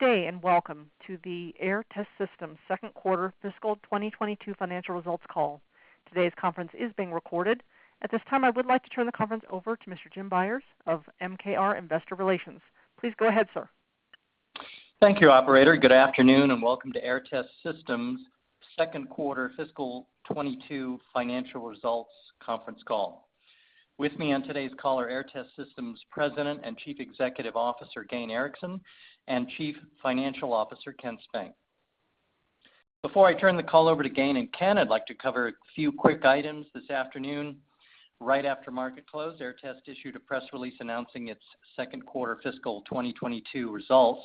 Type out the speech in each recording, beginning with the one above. Good day, and welcome to the Aehr Test Systems second quarter fiscal 2022 financial results call. Today's conference is being recorded. At this time, I would like to turn the conference over to Mr. Jim Byers of MKR Investor Relations. Please go ahead, sir. Thank you, operator. Good afternoon, and welcome to Aehr Test Systems second quarter fiscal 2022 financial results conference call. With me on today's call are Aehr Test Systems President and Chief Executive Officer, Gayn Erickson, and Chief Financial Officer, Ken Spink. Before I turn the call over to Gayn and Ken, I'd like to cover a few quick items this afternoon. Right after market close, Aehr Test issued a press release announcing its second quarter fiscal 2022 results.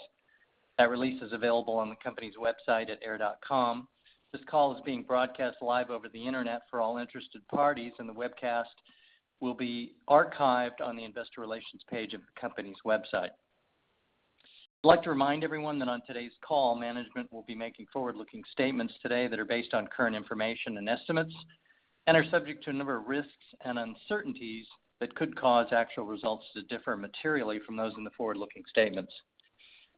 That release is available on the company's website at aehr.com. This call is being broadcast live over the Internet for all interested parties, and the webcast will be archived on the investor relations page of the company's website. I'd like to remind everyone that on today's call, management will be making forward-looking statements today that are based on current information and estimates and are subject to a number of risks and uncertainties that could cause actual results to differ materially from those in the forward-looking statements.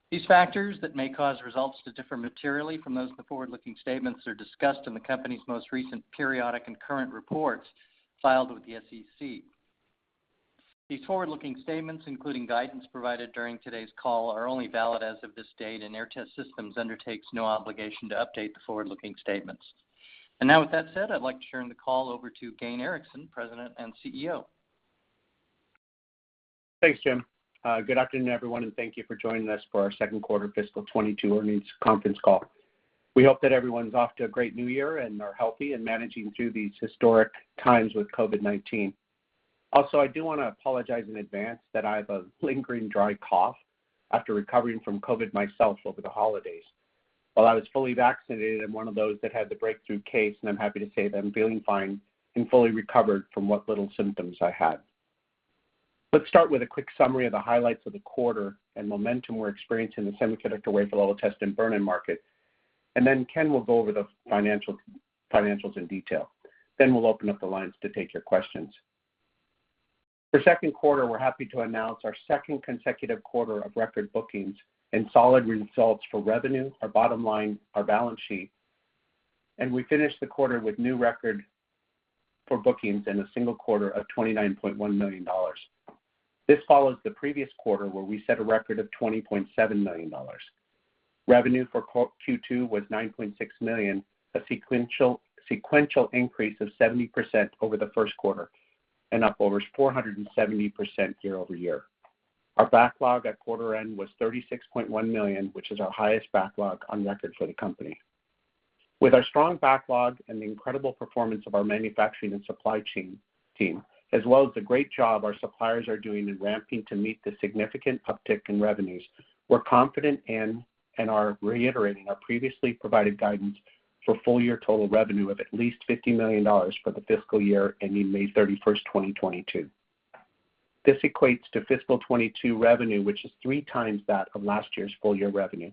These factors that may cause results to differ materially from those in the forward-looking statements are discussed in the company's most recent periodic and current reports filed with the SEC. These forward-looking statements, including guidance provided during today's call, are only valid as of this date, and Aehr Test Systems undertakes no obligation to update the forward-looking statements. Now, with that said, I'd like to turn the call over to Gayn Erickson, President and CEO. Thanks, Jim. Good afternoon, everyone, and thank you for joining us for our second quarter fiscal 2022 earnings conference call. We hope that everyone's off to a great new year and are healthy and managing through these historic times with COVID-19. Also, I do wanna apologize in advance that I have a lingering dry cough after recovering from COVID myself over the holidays. While I was fully vaccinated, I'm one of those that had the breakthrough case, and I'm happy to say that I'm feeling fine and fully recovered from what little symptoms I had. Let's start with a quick summary of the highlights of the quarter and momentum we're experiencing in the semiconductor wafer-level test and burn-in market, and then Ken will go over the financials in detail. We'll open up the lines to take your questions. For the second quarter, we're happy to announce our second consecutive quarter of record bookings and solid results for revenue, our bottom line, our balance sheet, and we finished the quarter with new record for bookings in a single quarter of $29.1 million. This follows the previous quarter, where we set a record of $20.7 million. Revenue for Q2 was $9.6 million, a sequential increase of 70% over the first quarter and up over 470% year-over-year. Our backlog at quarter end was $36.1 million, which is our highest backlog on record for the company. With our strong backlog and the incredible performance of our manufacturing and supply chain team, as well as the great job our suppliers are doing in ramping to meet the significant uptick in revenues, we're confident and are reiterating our previously provided guidance for full year total revenue of at least $50 million for the fiscal year ending May 31, 2022. This equates to fiscal 2022 revenue, which is three times that of last year's full year revenue.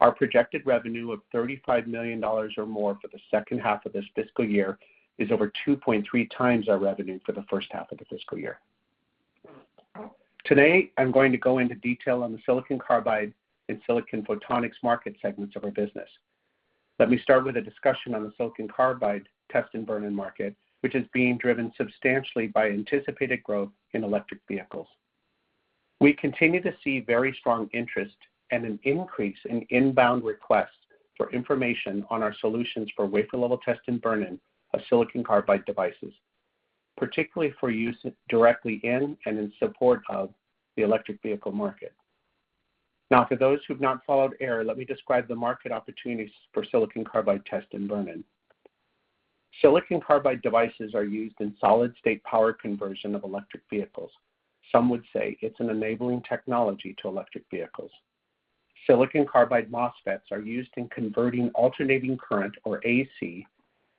Our projected revenue of $35 million or more for the second half of this fiscal year is over 2.3 times our revenue for the first half of the fiscal year. Today, I'm going to go into detail on the silicon carbide and silicon photonics market segments of our business. Let me start with a discussion on the silicon carbide test and burn-in market, which is being driven substantially by anticipated growth in electric vehicles. We continue to see very strong interest and an increase in inbound requests for information on our solutions for wafer-level test and burn-in of silicon carbide devices, particularly for use directly in and in support of the electric vehicle market. Now, for those who've not followed Aehr, let me describe the market opportunities for silicon carbide test and burn-in. silicon carbide devices are used in solid-state power conversion of electric vehicles. Some would say it's an enabling technology to electric vehicles. silicon carbide MOSFETs are used in converting alternating current, or AC,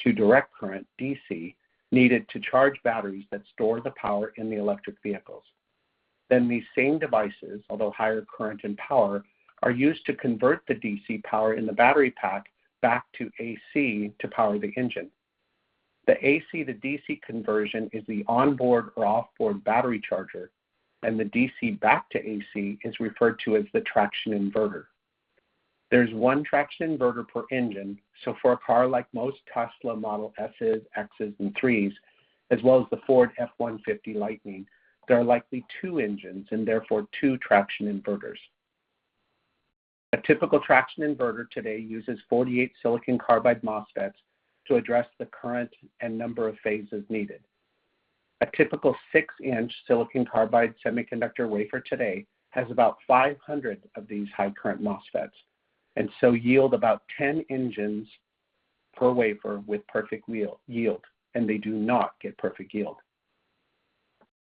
to direct current, DC, needed to charge batteries that store the power in the electric vehicles. These same devices, although higher current and power, are used to convert the DC power in the battery pack back to AC to power the engine. The AC to DC conversion is the onboard or off-board battery charger, and the DC back to AC is referred to as the traction inverter. There's one traction inverter per engine, so for a car like most Tesla Model S's, X's, and 3s, as well as the Ford F-150 Lightning, there are likely two engines and therefore two traction inverters. A typical traction inverter today uses 48 silicon carbide MOSFETs to address the current and number of phases needed. A typical 6-inch silicon carbide semiconductor wafer today has about 500 of these high current MOSFETs, and so yield about 10 engines per wafer with perfect yield, and they do not get perfect yield.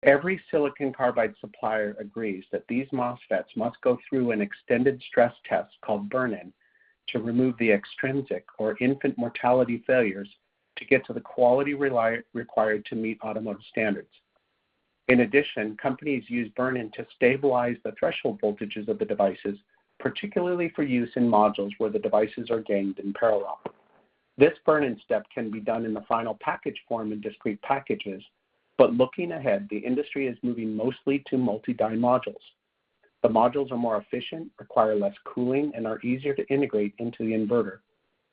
Every silicon carbide supplier agrees that these MOSFETs must go through an extended stress test called burn-in to remove the extrinsic or infant mortality failures to get to the quality required to meet automotive standards. In addition, companies use burn-in to stabilize the threshold voltages of the devices, particularly for use in modules where the devices are ganged in parallel. This burn-in step can be done in the final package form in discrete packages, but looking ahead, the industry is moving mostly to multi-die modules. The modules are more efficient, require less cooling, and are easier to integrate into the inverter.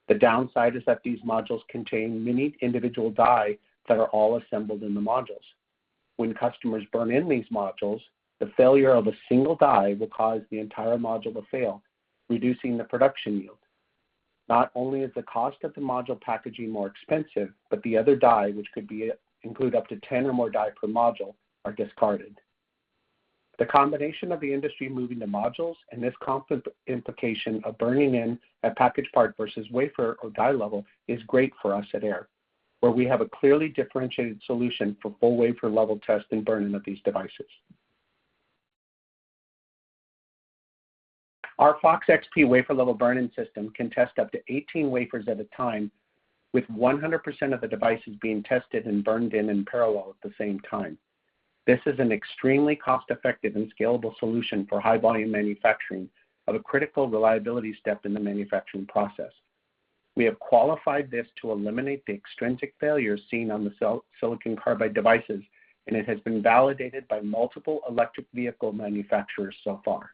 The downside is that these modules contain many individual die that are all assembled in the modules. When customers burn in these modules, the failure of a single die will cause the entire module to fail, reducing the production yield. Not only is the cost of the module packaging more expensive, but the other die, which could include up to 10 or more die per module, are discarded. The combination of the industry moving to modules and this cost implication of burning in a package part versus wafer or die level is great for us at Aehr, where we have a clearly differentiated solution for full wafer level test and burn-in of these devices. Our FOX-XP wafer level burn-in system can test up to 18 wafers at a time with 100% of the devices being tested and burned in in parallel at the same time. This is an extremely cost-effective and scalable solution for high volume manufacturing of a critical reliability step in the manufacturing process. We have qualified this to eliminate the extrinsic failures seen on the silicon carbide devices, and it has been validated by multiple electric vehicle manufacturers so far.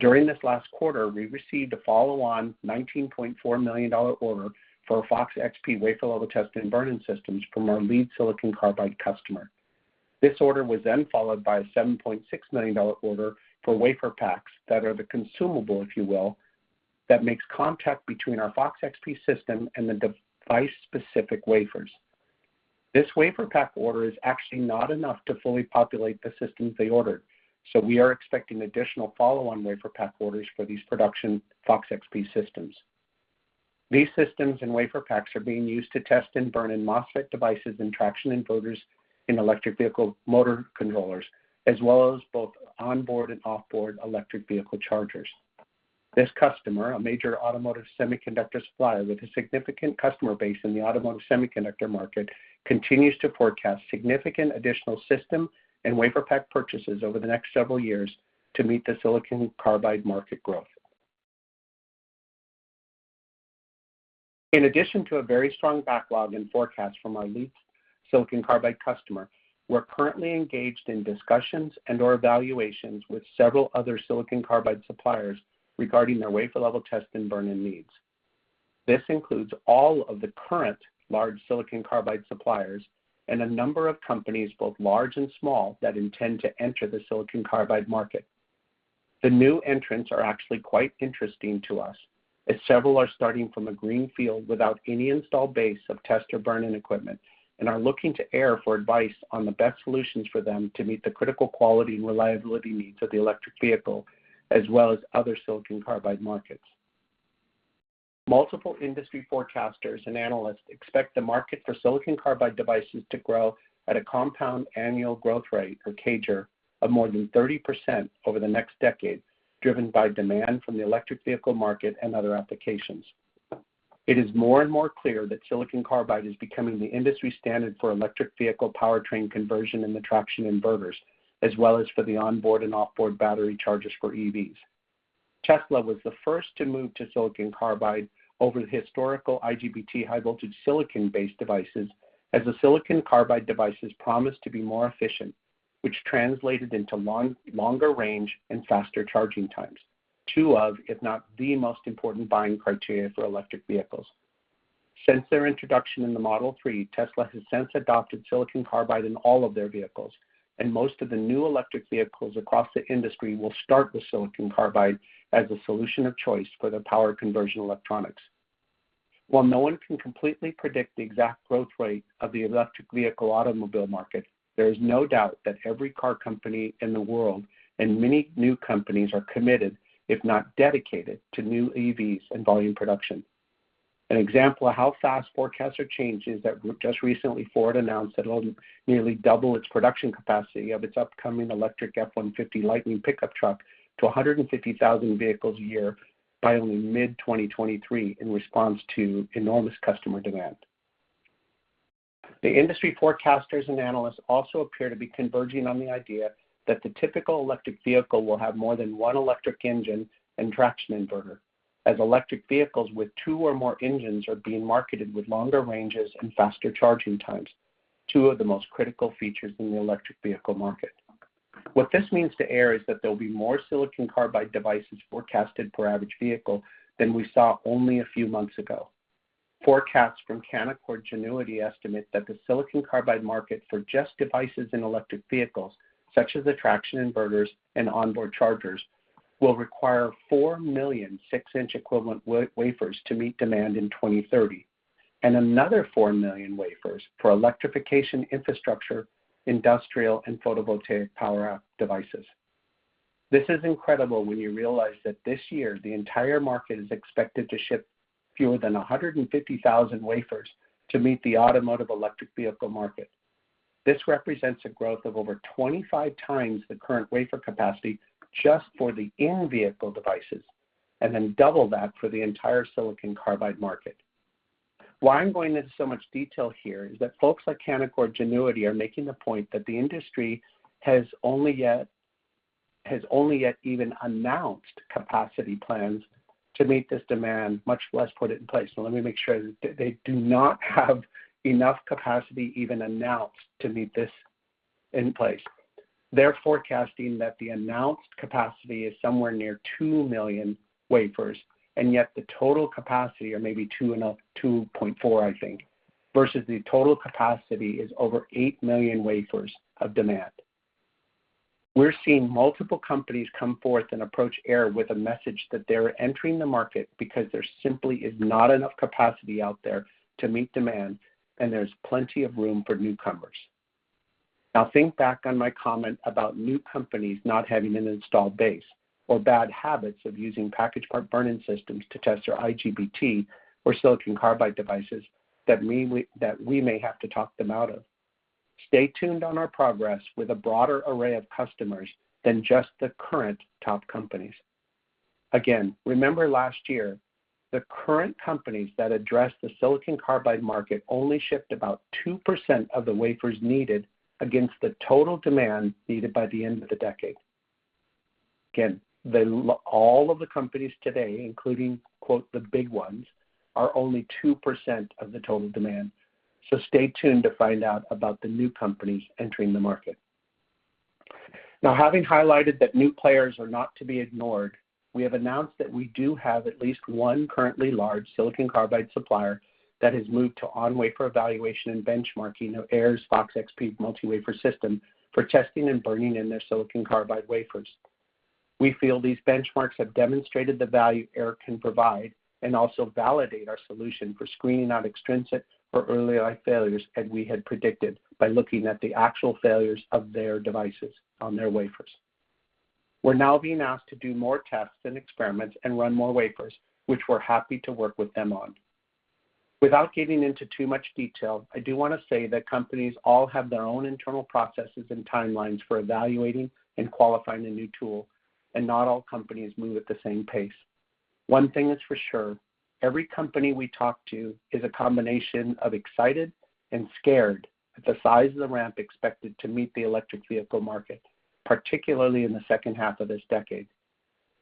During this last quarter, we received a follow-on $19.4 million order for Fox XP wafer level test and burn-in systems from our lead silicon carbide customer. This order was then followed by a $7.6 million order for WaferPaks that are the consumable, if you will, that makes contact between our Fox XP system and the device-specific wafers. This WaferPak order is actually not enough to fully populate the systems they ordered, so we are expecting additional follow-on WaferPak orders for these production Fox XP systems. These systems and WaferPaks are being used to test and burn in MOSFET devices and traction inverters in electric vehicle motor controllers, as well as both onboard and off-board electric vehicle chargers. This customer, a major automotive semiconductor supplier with a significant customer base in the automotive semiconductor market, continues to forecast significant additional system and WaferPak purchases over the next several years to meet the silicon carbide market growth. In addition to a very strong backlog and forecast from our lead silicon carbide customer, we're currently engaged in discussions and/or evaluations with several other silicon carbide suppliers regarding their wafer level test and burn-in needs. This includes all of the current large silicon carbide suppliers and a number of companies, both large and small, that intend to enter the silicon carbide market. The new entrants are actually quite interesting to us, as several are starting from a green field without any installed base of test or burn-in equipment and are looking to Aehr for advice on the best solutions for them to meet the critical quality and reliability needs of the electric vehicle, as well as other silicon carbide markets. Multiple industry forecasters and analysts expect the market for silicon carbide devices to grow at a compound annual growth rate, or CAGR, of more than 30% over the next decade, driven by demand from the electric vehicle market and other applications. It is more and more clear that silicon carbide is becoming the industry standard for electric vehicle powertrain conversion and the traction inverters, as well as for the onboard and off-board battery chargers for EVs. Tesla was the first to move to silicon carbide over the historical IGBT high voltage silicon-based devices as the silicon carbide devices promised to be more efficient, which translated into longer range and faster charging times, two of, if not the most important buying criteria for electric vehicles. Since their introduction in the Model 3, Tesla has since adopted silicon carbide in all of their vehicles, and most of the new electric vehicles across the industry will start with silicon carbide as a solution of choice for their power conversion electronics. While no one can completely predict the exact growth rate of the electric vehicle automobile market, there is no doubt that every car company in the world and many new companies are committed, if not dedicated, to new EVs and volume production. An example of how fast forecasters change is that just recently, Ford announced that it'll nearly double its production capacity of its upcoming electric F-150 Lightning pickup truck to 150,000 vehicles a year by only mid-2023 in response to enormous customer demand. The industry forecasters and analysts also appear to be converging on the idea that the typical electric vehicle will have more than one electric engine and traction inverter, as electric vehicles with two or more engines are being marketed with longer ranges and faster charging times, two of the most critical features in the electric vehicle market. What this means to Aehr is that there'll be more silicon carbide devices forecasted per average vehicle than we saw only a few months ago. Forecasts from Canaccord Genuity estimate that the silicon carbide market for just devices in electric vehicles, such as the traction inverters and onboard chargers, will require 4 million six-inch equivalent wafers to meet demand in 2030, and another 4 million wafers for electrification infrastructure, industrial, and photovoltaic power devices. This is incredible when you realize that this year the entire market is expected to ship fewer than 150,000 wafers to meet the automotive electric vehicle market. This represents a growth of over 25 times the current wafer capacity just for the in-vehicle devices, and then double that for the entire silicon carbide market. Why I'm going into so much detail here is that folks like Canaccord Genuity are making the point that the industry has only yet even announced capacity plans to meet this demand, much less put it in place. Let me make sure that they do not have enough capacity even announced to meet this in place. They're forecasting that the announced capacity is somewhere near 2 million wafers, and yet the total capacity, or maybe 2.4, I think, versus the total capacity is over 8 million wafers of demand. We're seeing multiple companies come forth and approach Aehr with a message that they're entering the market because there simply is not enough capacity out there to meet demand, and there's plenty of room for newcomers. Now, think back on my comment about new companies not having an installed base or bad habits of using package part burn-in systems to test their IGBT or silicon carbide devices that we may have to talk them out of. Stay tuned on our progress with a broader array of customers than just the current top companies. Again, remember last year, the current companies that addressed the silicon carbide market only shipped about 2% of the wafers needed against the total demand needed by the end of the decade. Again, all of the companies today, including, quote, "the big ones," are only 2% of the total demand. Stay tuned to find out about the new companies entering the market. Now, having highlighted that new players are not to be ignored, we have announced that we do have at least one currently large silicon carbide supplier that has moved to on-wafer evaluation and benchmarking of Aehr's Fox XP multi-wafer system for testing and burning in their silicon carbide wafers. We feel these benchmarks have demonstrated the value Aehr can provide and also validate our solution for screening out extrinsic or early life failures, as we had predicted by looking at the actual failures of their devices on their wafers. We're now being asked to do more tests and experiments and run more wafers, which we're happy to work with them on. Without getting into too much detail, I do want to say that companies all have their own internal processes and timelines for evaluating and qualifying a new tool, and not all companies move at the same pace. One thing is for sure, every company we talk to is a combination of excited and scared at the size of the ramp expected to meet the electric vehicle market, particularly in the second half of this decade.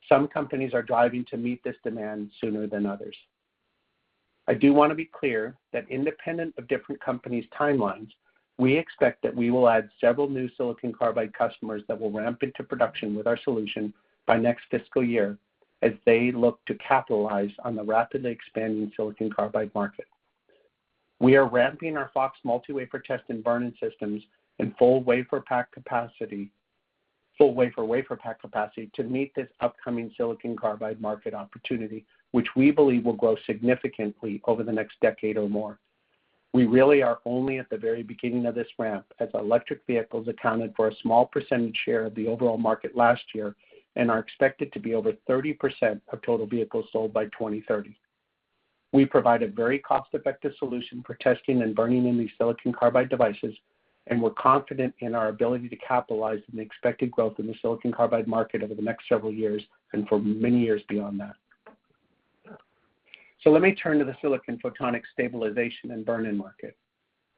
Some companies are driving to meet this demand sooner than others. I do want to be clear that independent of different companies' timelines, we expect that we will add several new silicon carbide customers that will ramp into production with our solution by next fiscal year as they look to capitalize on the rapidly expanding silicon carbide market. We are ramping our Fox multi-wafer test and burn-in systems in full WaferPak capacity to meet this upcoming silicon carbide market opportunity, which we believe will grow significantly over the next decade or more. We really are only at the very beginning of this ramp, as electric vehicles accounted for a small percentage share of the overall market last year and are expected to be over 30% of total vehicles sold by 2030. We provide a very cost-effective solution for testing and burning in these silicon carbide devices, and we're confident in our ability to capitalize on the expected growth in the silicon carbide market over the next several years and for many years beyond that. Let me turn to the silicon photonics stabilization and burn-in market.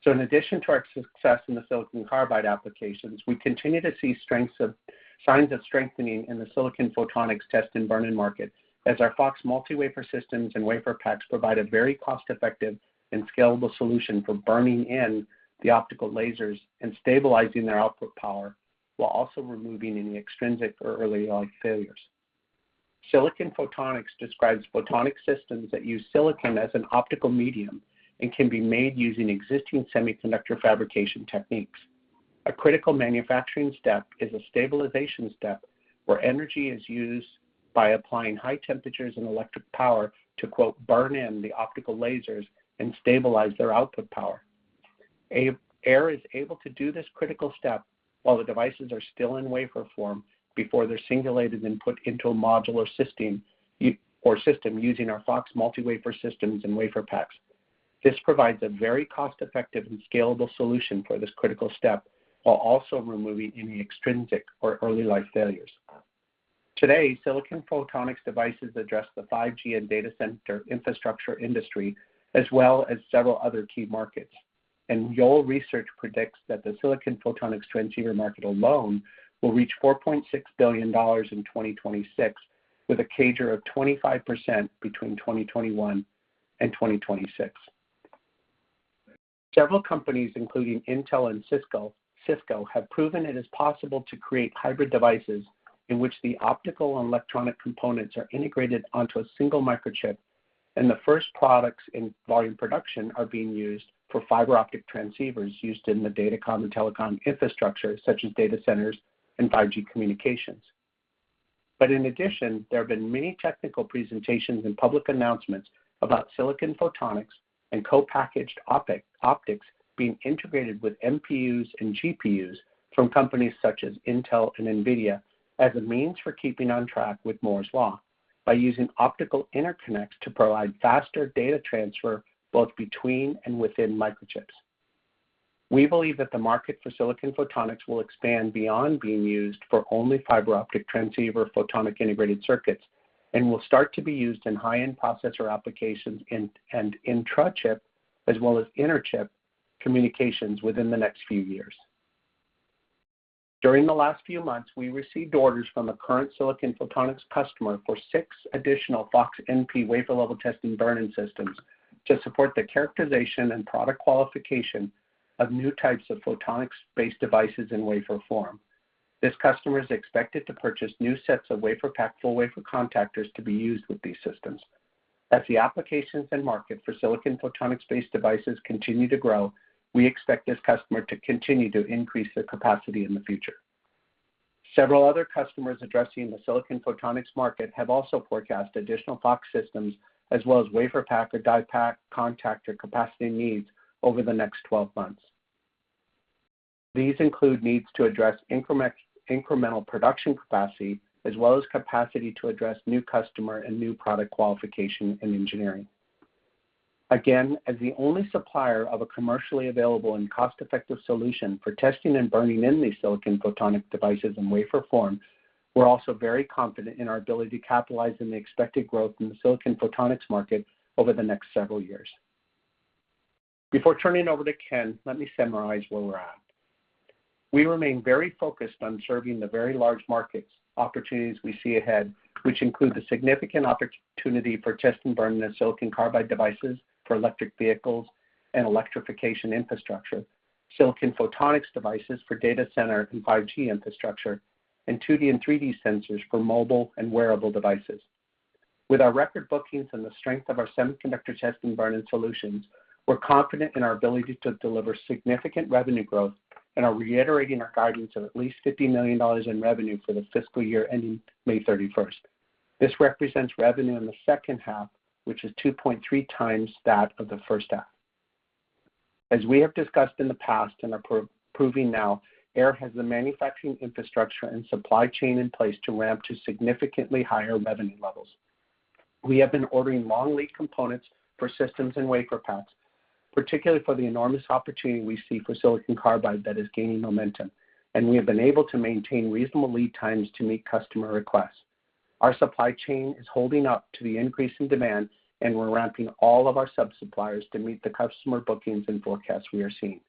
In addition to our success in the silicon carbide applications, we continue to see signs of strengthening in the silicon photonics test and burn-in market as our Fox multi-wafer systems and wafer packs provide a very cost-effective and scalable solution for burning in the optical lasers and stabilizing their output power while also removing any extrinsic or early life failures. Silicon photonics describes photonic systems that use silicon as an optical medium and can be made using existing semiconductor fabrication techniques. A critical manufacturing step is a stabilization step where energy is used by applying high temperatures and electric power to, quote, "burn in" the optical lasers and stabilize their output power. Aehr is able to do this critical step while the devices are still in wafer form before they're singulated and put into a module or system using our Fox multi-wafer systems and wafer packs. This provides a very cost-effective and scalable solution for this critical step while also removing any extrinsic or early life failures. Today, silicon photonics devices address the 5G and data center infrastructure industry as well as several other key markets. Yole Group predicts that the silicon photonics transceiver market alone will reach $4.6 billion in 2026, with a CAGR of 25% between 2021 and 2026. Several companies, including Intel and Cisco, have proven it is possible to create hybrid devices in which the optical and electronic components are integrated onto a single microchip, and the first products in volume production are being used for fiber optic transceivers used in the datacom and telecom infrastructure, such as data centers and 5G communications. In addition, there have been many technical presentations and public announcements about silicon photonics and co-packaged optics being integrated with MPUs and GPUs from companies such as Intel and NVIDIA as a means for keeping on track with Moore's Law by using optical interconnects to provide faster data transfer both between and within microchips. We believe that the market for silicon photonics will expand beyond being used for only fiber optic transceiver photonic integrated circuits and will start to be used in high-end processor applications in intra-chip and inter-chip communications within the next few years. During the last few months, we received orders from a current silicon photonics customer for 6 additional FOX-NP wafer-level testing burn-in systems to support the characterization and product qualification of new types of photonics-based devices in wafer form. This customer is expected to purchase new sets of WaferPak full-wafer contactors to be used with these systems. As the applications and market for silicon photonics-based devices continue to grow, we expect this customer to continue to increase their capacity in the future. Several other customers addressing the silicon photonics market have also forecast additional Fox systems, as well as WaferPak or DiePak contactor capacity needs over the next 12 months. These include needs to address incremental production capacity, as well as capacity to address new customer and new product qualification and engineering. Again, as the only supplier of a commercially available and cost-effective solution for testing and burning in these silicon photonic devices in wafer form, we're also very confident in our ability to capitalize on the expected growth in the silicon photonics market over the next several years. Before turning it over to Ken, let me summarize where we're at. We remain very focused on serving the very large markets opportunities we see ahead, which include the significant opportunity for test and burn in silicon carbide devices for electric vehicles and electrification infrastructure, silicon photonics devices for data center and 5G infrastructure, and 2D and 3D sensors for mobile and wearable devices. With our record bookings and the strength of our semiconductor test and burn-in solutions, we're confident in our ability to deliver significant revenue growth, and are reiterating our guidance of at least $50 million in revenue for the fiscal year ending May 31. This represents revenue in the second half, which is 2.3 times that of the first half. As we have discussed in the past and are proving now, Aehr has the manufacturing infrastructure and supply chain in place to ramp to significantly higher revenue levels. We have been ordering long lead components for systems and wafer packs, particularly for the enormous opportunity we see for silicon carbide that is gaining momentum, and we have been able to maintain reasonable lead times to meet customer requests. Our supply chain is holding up to the increase in demand, and we're ramping all of our sub-suppliers to meet the customer bookings and forecasts we are seeing.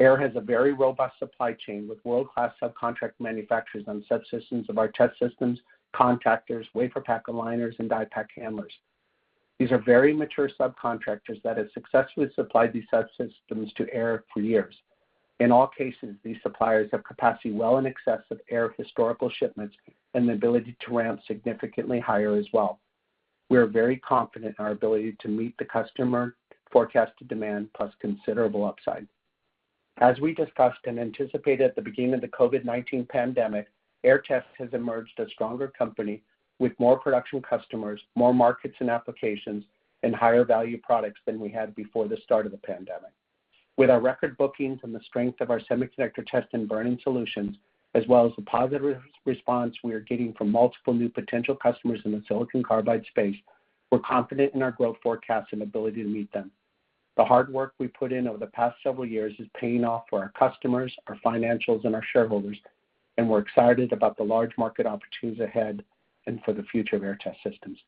Aehr has a very robust supply chain with world-class subcontract manufacturers on subsystems of our test systems, contactors, WaferPak aligners, and DiePak handlers. These are very mature subcontractors that have successfully supplied these subsystems to Aehr for years. In all cases, these suppliers have capacity well in excess of Aehr historical shipments and the ability to ramp significantly higher as well. We are very confident in our ability to meet the customer forecasted demand plus considerable upside. As we discussed and anticipated at the beginning of the COVID-19 pandemic, Aehr Test has emerged a stronger company with more production customers, more markets and applications, and higher value products than we had before the start of the pandemic. With our record bookings and the strength of our semiconductor test and burn-in solutions, as well as the positive response we are getting from multiple new potential customers in the silicon carbide space, we're confident in our growth forecasts and ability to meet them. The hard work we put in over the past several years is paying off for our customers, our financials, and our shareholders, and we're excited about the large market opportunities ahead and for the future of Aehr Test Systems.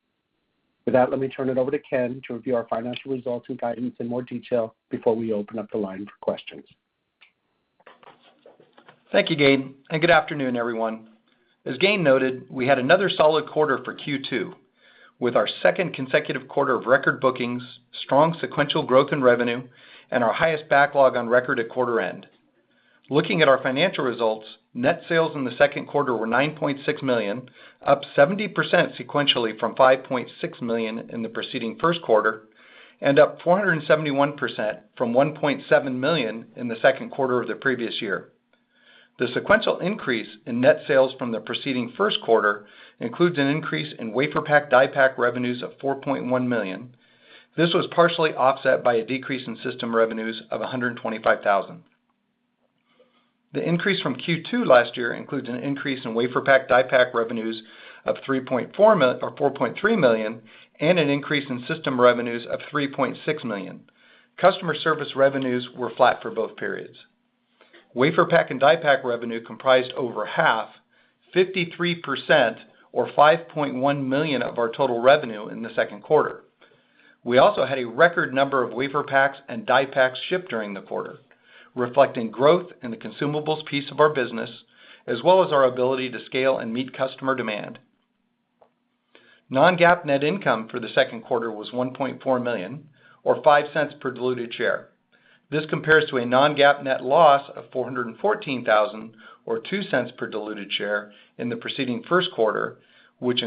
With that, let me turn it over to Ken to review our financial results and guidance in more detail before we open up the line for questions. Thank you, Gayn, and good afternoon, everyone. As Gayn noted, we had another solid quarter for Q2, with our second consecutive quarter of record bookings, strong sequential growth in revenue, and our highest backlog on record at quarter end. Looking at our financial results, net sales in the second quarter were $9.6 million, up 70% sequentially from $5.6 million in the preceding first quarter, and up 471% from $1.7 million in the second quarter of the previous year. The sequential increase in net sales from the preceding first quarter includes an increase in WaferPak DiePak revenues of $4.1 million. This was partially offset by a decrease in system revenues of $125,000. The increase from Q2 last year includes an increase in WaferPak and DiePak revenues of $4.3 million, and an increase in system revenues of $3.6 million. Customer service revenues were flat for both periods. WaferPak and DiePak revenue comprised over half, 53%, or $5.1 million of our total revenue in the second quarter. We also had a record number of WaferPaks and DiePaks shipped during the quarter, reflecting growth in the consumables piece of our business, as well as our ability to scale and meet customer demand. Non-GAAP net income for the second quarter was $1.4 million, or $0.05 per diluted share. This compares to a non-GAAP net loss of $414,000, or $0.02 per diluted share in the preceding first quarter, which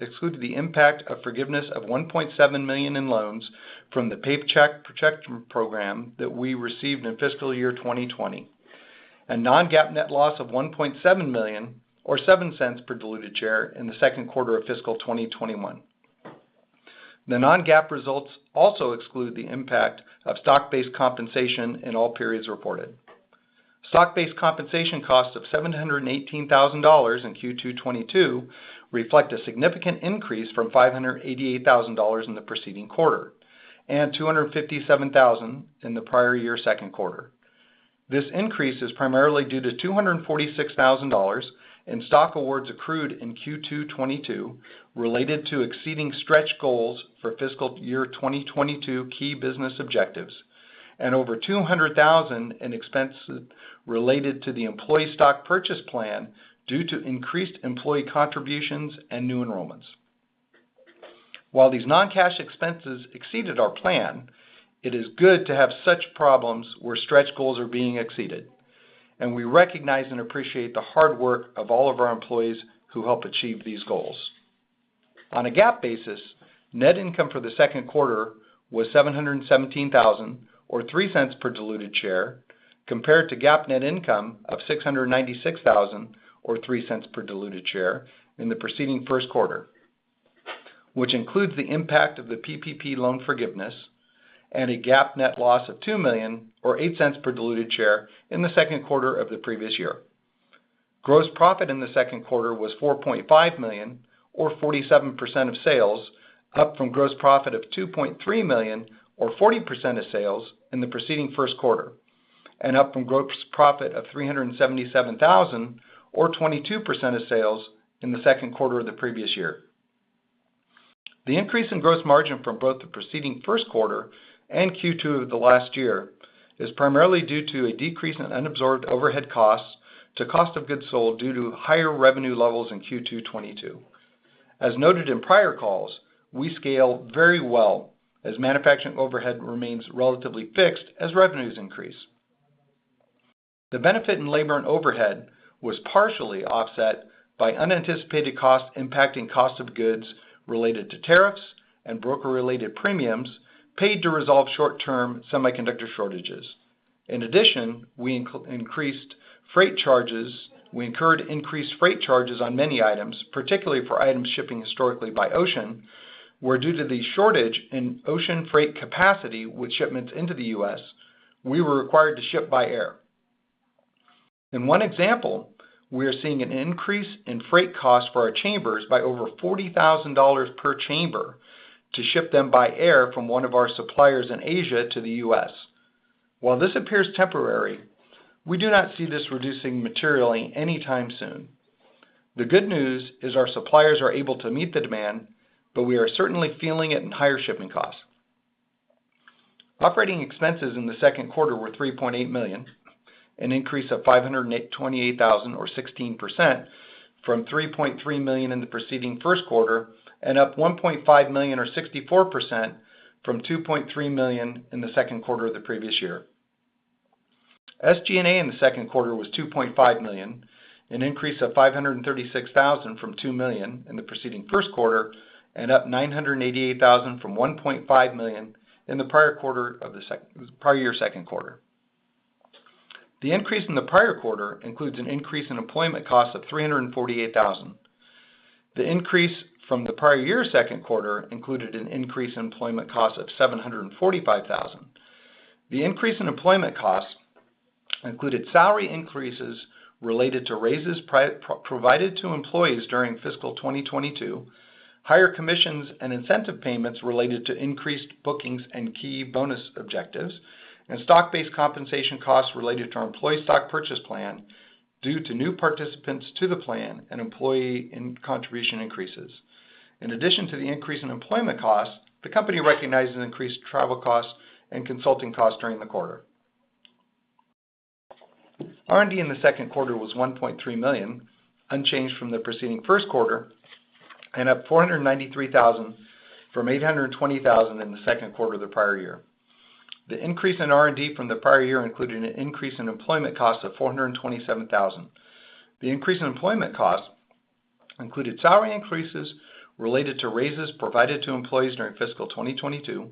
excluded the impact of forgiveness of $1.7 million in loans from the Paycheck Protection Program that we received in fiscal year 2020. A non-GAAP net loss of $1.7 million, or $0.07 per diluted share in the second quarter of fiscal 2021. The non-GAAP results also exclude the impact of stock-based compensation in all periods reported. Stock-based compensation costs of $718,000 in Q2 2022 reflect a significant increase from $588,000 in the preceding quarter, and $257,000 in the prior year's second quarter. This increase is primarily due to $246,000 in stock awards accrued in Q2 2022 related to exceeding stretch goals for fiscal year 2022 key business objectives and over $200,000 in expense related to the employee stock purchase plan due to increased employee contributions and new enrollments. While these non-cash expenses exceeded our plan, it is good to have such problems where stretch goals are being exceeded, and we recognize and appreciate the hard work of all of our employees who help achieve these goals. On a GAAP basis, net income for the second quarter was $717,000 or $0.03 per diluted share compared to GAAP net income of $696,000 or $0.03 per diluted share in the preceding first quarter, which includes the impact of the PPP loan forgiveness and a GAAP net loss of $2 million or $0.08 per diluted share in the second quarter of the previous year. Gross profit in the second quarter was $4.5 million or 47% of sales, up from gross profit of $2.3 million or 40% of sales in the preceding first quarter, and up from gross profit of $377,000 or 22% of sales in the second quarter of the previous year. The increase in gross margin from both the preceding first quarter and Q2 of the last year is primarily due to a decrease in unabsorbed overhead costs to cost of goods sold due to higher revenue levels in Q2 2022. As noted in prior calls, we scale very well as manufacturing overhead remains relatively fixed as revenues increase. The benefit in labor and overhead was partially offset by unanticipated costs impacting cost of goods related to tariffs and broker-related premiums paid to resolve short-term semiconductor shortages. In addition, we incurred increased freight charges on many items, particularly for items shipping historically by ocean, where due to the shortage in ocean freight capacity with shipments into the U.S., we were required to ship by air. In one example, we are seeing an increase in freight costs for our chambers by over $40,000 per chamber to ship them by air from one of our suppliers in Asia to the U.S. While this appears temporary, we do not see this reducing materially anytime soon. The good news is our suppliers are able to meet the demand, but we are certainly feeling it in higher shipping costs. Operating expenses in the second quarter were $3.8 million, an increase of $528,000 or 16% from $3.3 million in the preceding first quarter and up $1.5 million or 64% from $2.3 million in the second quarter of the previous year. SG&A in the second quarter was $2.5 million, an increase of $536,000 from $2 million in the preceding first quarter and up $988,000 from $1.5 million in the prior year second quarter. The increase in the prior quarter includes an increase in employment costs of $348,000. The increase from the prior year's second quarter included an increase in employment costs of $745,000. The increase in employment costs included salary increases related to raises provided to employees during fiscal 2022, higher commissions and incentive payments related to increased bookings and key bonus objectives, and stock-based compensation costs related to our employee stock purchase plan due to new participants to the plan and employee contribution increases. In addition to the increase in employment costs, the company recognized an increase in travel costs and consulting costs during the quarter. R&D in the second quarter was $1.3 million, unchanged from the preceding first quarter and up $493,000 from $820,000 in the second quarter of the prior year. The increase in R&D from the prior year included an increase in employment costs of $427,000. The increase in employment costs included salary increases related to raises provided to employees during fiscal 2022,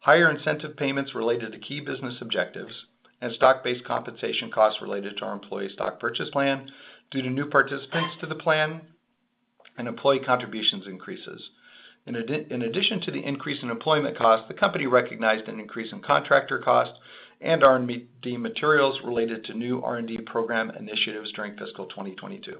higher incentive payments related to key business objectives, and stock-based compensation costs related to our employee stock purchase plan due to new participants to the plan and employee contributions increases. In addition to the increase in employment costs, the company recognized an increase in contractor costs and R&D materials related to new R&D program initiatives during fiscal 2022.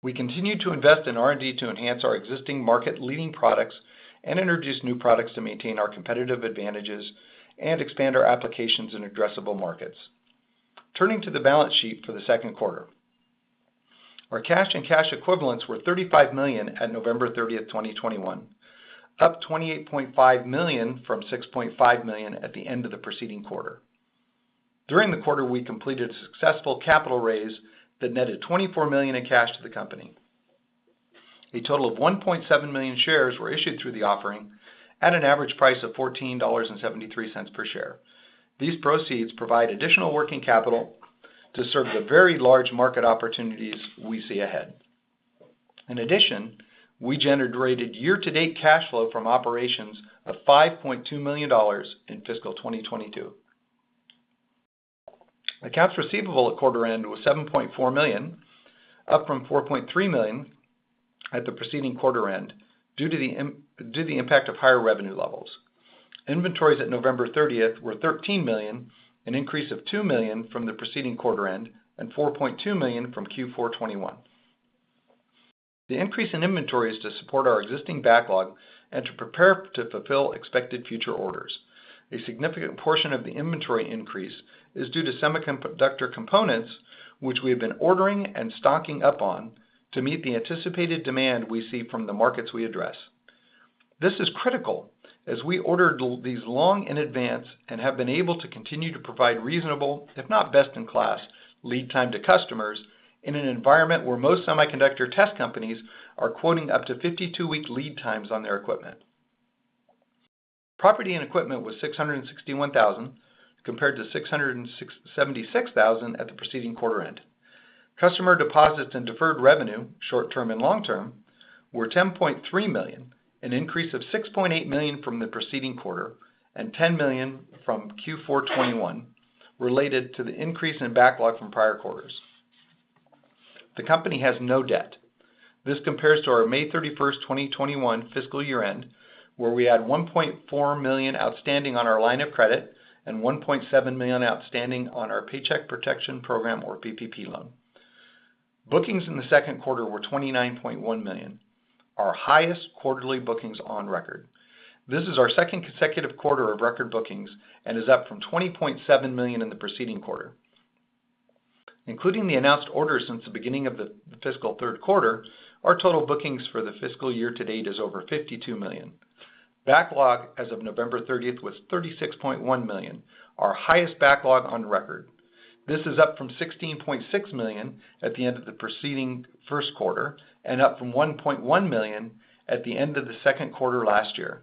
We continue to invest in R&D to enhance our existing market-leading products and introduce new products to maintain our competitive advantages and expand our applications in addressable markets. Turning to the balance sheet for the second quarter. Our cash and cash equivalents were $35 million at November 30, 2021, up $28.5 million from $6.5 million at the end of the preceding quarter. During the quarter, we completed a successful capital raise that netted $24 million in cash to the company. A total of 1.7 million shares were issued through the offering at an average price of $14.73 per share. These proceeds provide additional working capital to serve the very large market opportunities we see ahead. In addition, we generated year-to-date cash flow from operations of $5.2 million in fiscal 2022. Accounts receivable at quarter end was $7.4 million, up from $4.3 million at the preceding quarter end due to the impact of higher revenue levels. Inventories at November 30 were $13 million, an increase of $2 million from the preceding quarter end and $4.2 million from Q4 2021. The increase in inventory is to support our existing backlog and to prepare to fulfill expected future orders. A significant portion of the inventory increase is due to semiconductor components, which we have been ordering and stocking up on to meet the anticipated demand we see from the markets we address. This is critical as we ordered these long in advance and have been able to continue to provide reasonable, if not best in class, lead time to customers in an environment where most semiconductor test companies are quoting up to 52-week lead times on their equipment. Property and equipment was $661,000, compared to $676,000 at the preceding quarter end. Customer deposits and deferred revenue, short-term and long-term, were $10.3 million, an increase of $6.8 million from the preceding quarter and $10 million from Q4 2021, related to the increase in backlog from prior quarters. The company has no debt. This compares to our May 31, 2021 fiscal year-end, where we had $1.4 million outstanding on our line of credit and $1.7 million outstanding on our Paycheck Protection Program or PPP loan. Bookings in the second quarter were $29.1 million, our highest quarterly bookings on record. This is our second consecutive quarter of record bookings and is up from $20.7 million in the preceding quarter. Including the announced orders since the beginning of the fiscal third quarter, our total bookings for the fiscal year to date is over $52 million. Backlog as of November 30 was $36.1 million, our highest backlog on record. This is up from $16.6 million at the end of the preceding first quarter and up from $1.1 million at the end of the second quarter last year.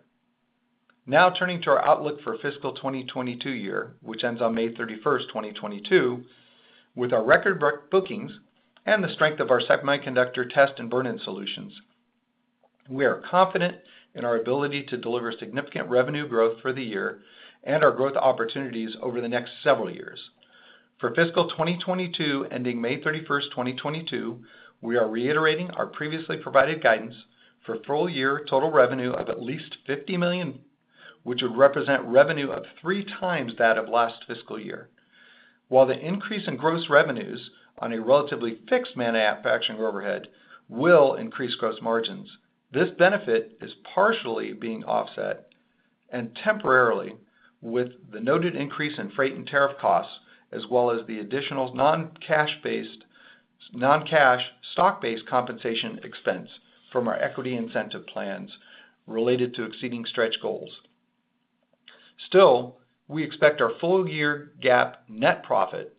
Now turning to our outlook for fiscal 2022, which ends on May 31, 2022. With our record bookings and the strength of our semiconductor test and burn-in solutions, we are confident in our ability to deliver significant revenue growth for the year and our growth opportunities over the next several years. For fiscal 2022 ending May 31, 2022, we are reiterating our previously provided guidance for full year total revenue of at least $50 million, which would represent revenue of 3 times that of last fiscal year. While the increase in gross revenues on a relatively fixed manufacturing overhead will increase gross margins, this benefit is partially being offset and temporarily with the noted increase in freight and tariff costs, as well as the additional non-cash stock-based compensation expense from our equity incentive plans related to exceeding stretch goals. Still, we expect our full year GAAP net profit,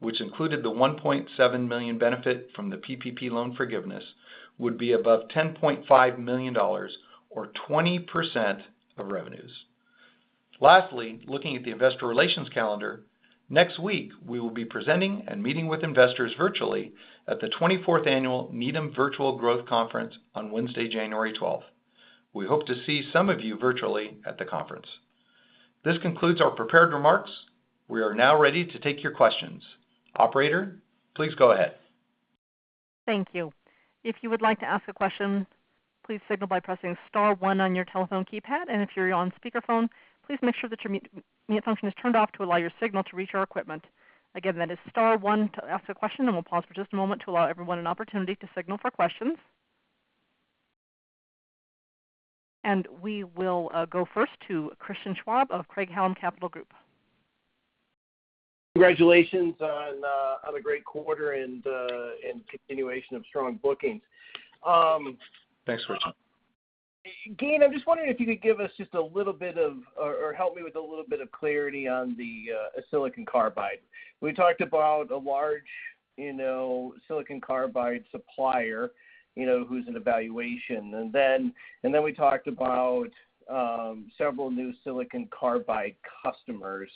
which included the $1.7 million benefit from the PPP loan forgiveness, would be above $10.5 million or 20% of revenues. Lastly, looking at the investor relations calendar, next week we will be presenting and meeting with investors virtually at the 24th Annual Needham Virtual Growth Conference on Wednesday, January 12. We hope to see some of you virtually at the conference. This concludes our prepared remarks. We are now ready to take your questions. Operator, please go ahead. Thank you. If you would like to ask a question, please signal by pressing star 1 on your telephone keypad. If you're on speakerphone, please make sure that your mute function is turned off to allow your signal to reach our equipment. Again, that is star 1 to ask a question, and we'll pause for just a moment to allow everyone an opportunity to signal for questions. We will go first to Christian Schwab of Craig-Hallum Capital Group. Congratulations on a great quarter and continuation of strong bookings. Thanks, Christian. Gayn, I'm just wondering if you could give us just a little bit of help with a little bit of clarity on the silicon carbide. We talked about a large silicon carbide supplier who's in evaluation. We talked about several new silicon carbide customers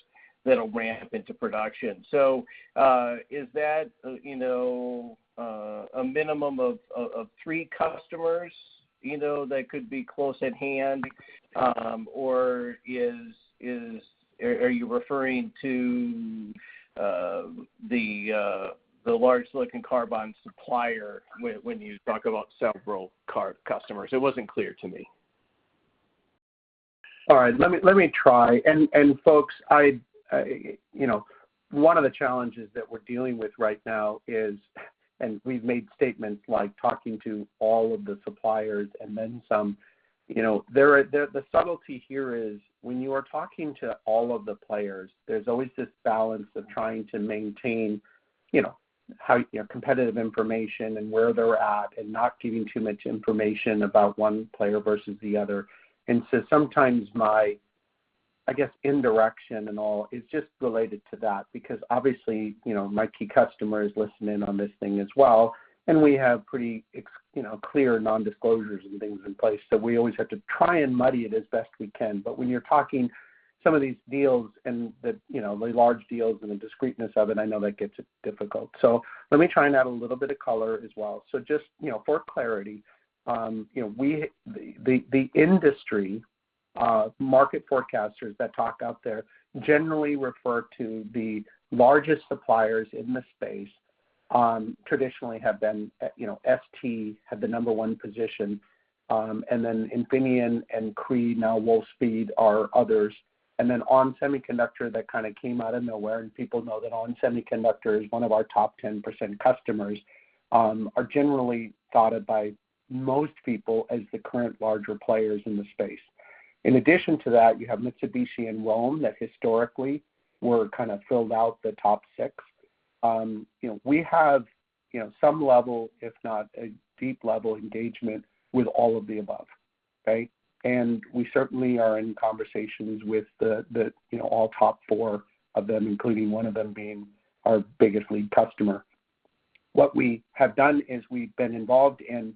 that'll ramp into production. Is that, you know, a minimum of three customers, you know, that could be close at hand? Or are you referring to the large silicon carbide supplier when you talk about several customers? It wasn't clear to me. All right. Let me try. Folks, you know, one of the challenges that we're dealing with right now is, and we've made statements like talking to all of the suppliers and then some. You know, the subtlety here is when you are talking to all of the players. There's always this balance of trying to maintain, you know, how, you know, competitive information and where they're at and not giving too much information about one player versus the other. Sometimes my, I guess, indirection and all is just related to that because obviously, you know, my key customer is listening in on this thing as well, and we have pretty clear non-disclosures and things in place. We always have to try and muddy it as best we can. When you're talking some of these deals and the large deals and the discreteness of it, I know that gets a bit difficult. Let me try and add a little bit of color as well. Just, you know, for clarity, you know, the industry market forecasters that are out there generally refer to the largest suppliers in the space, traditionally have been, you know, STMicroelectronics had the number one position. Infineon and Cree, now Wolfspeed, are others. onsemi that kind of came out of nowhere, and people know that onsemi is one of our top 10% customers, are generally thought of by most people as the current larger players in the space. In addition to that you have Mitsubishi and ROHM that historically were kind of filled out the top six. You know, we have you know some level, if not a deep level engagement with all of the above, okay? We certainly are in conversations with the you know all top four of them, including one of them being our biggest lead customer. What we have done is we've been involved in.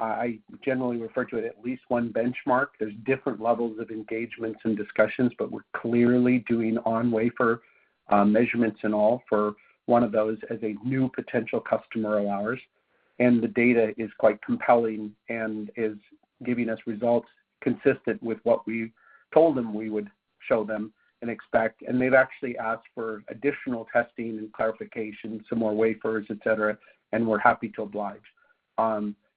I generally refer to it at least one benchmark. There's different levels of engagements and discussions, but we're clearly doing on-wafer measurements and all for one of those as a new potential customer of ours. The data is quite compelling and is giving us results consistent with what we told them we would show them and expect. They've actually asked for additional testing and clarification, some more wafers, et cetera, and we're happy to oblige.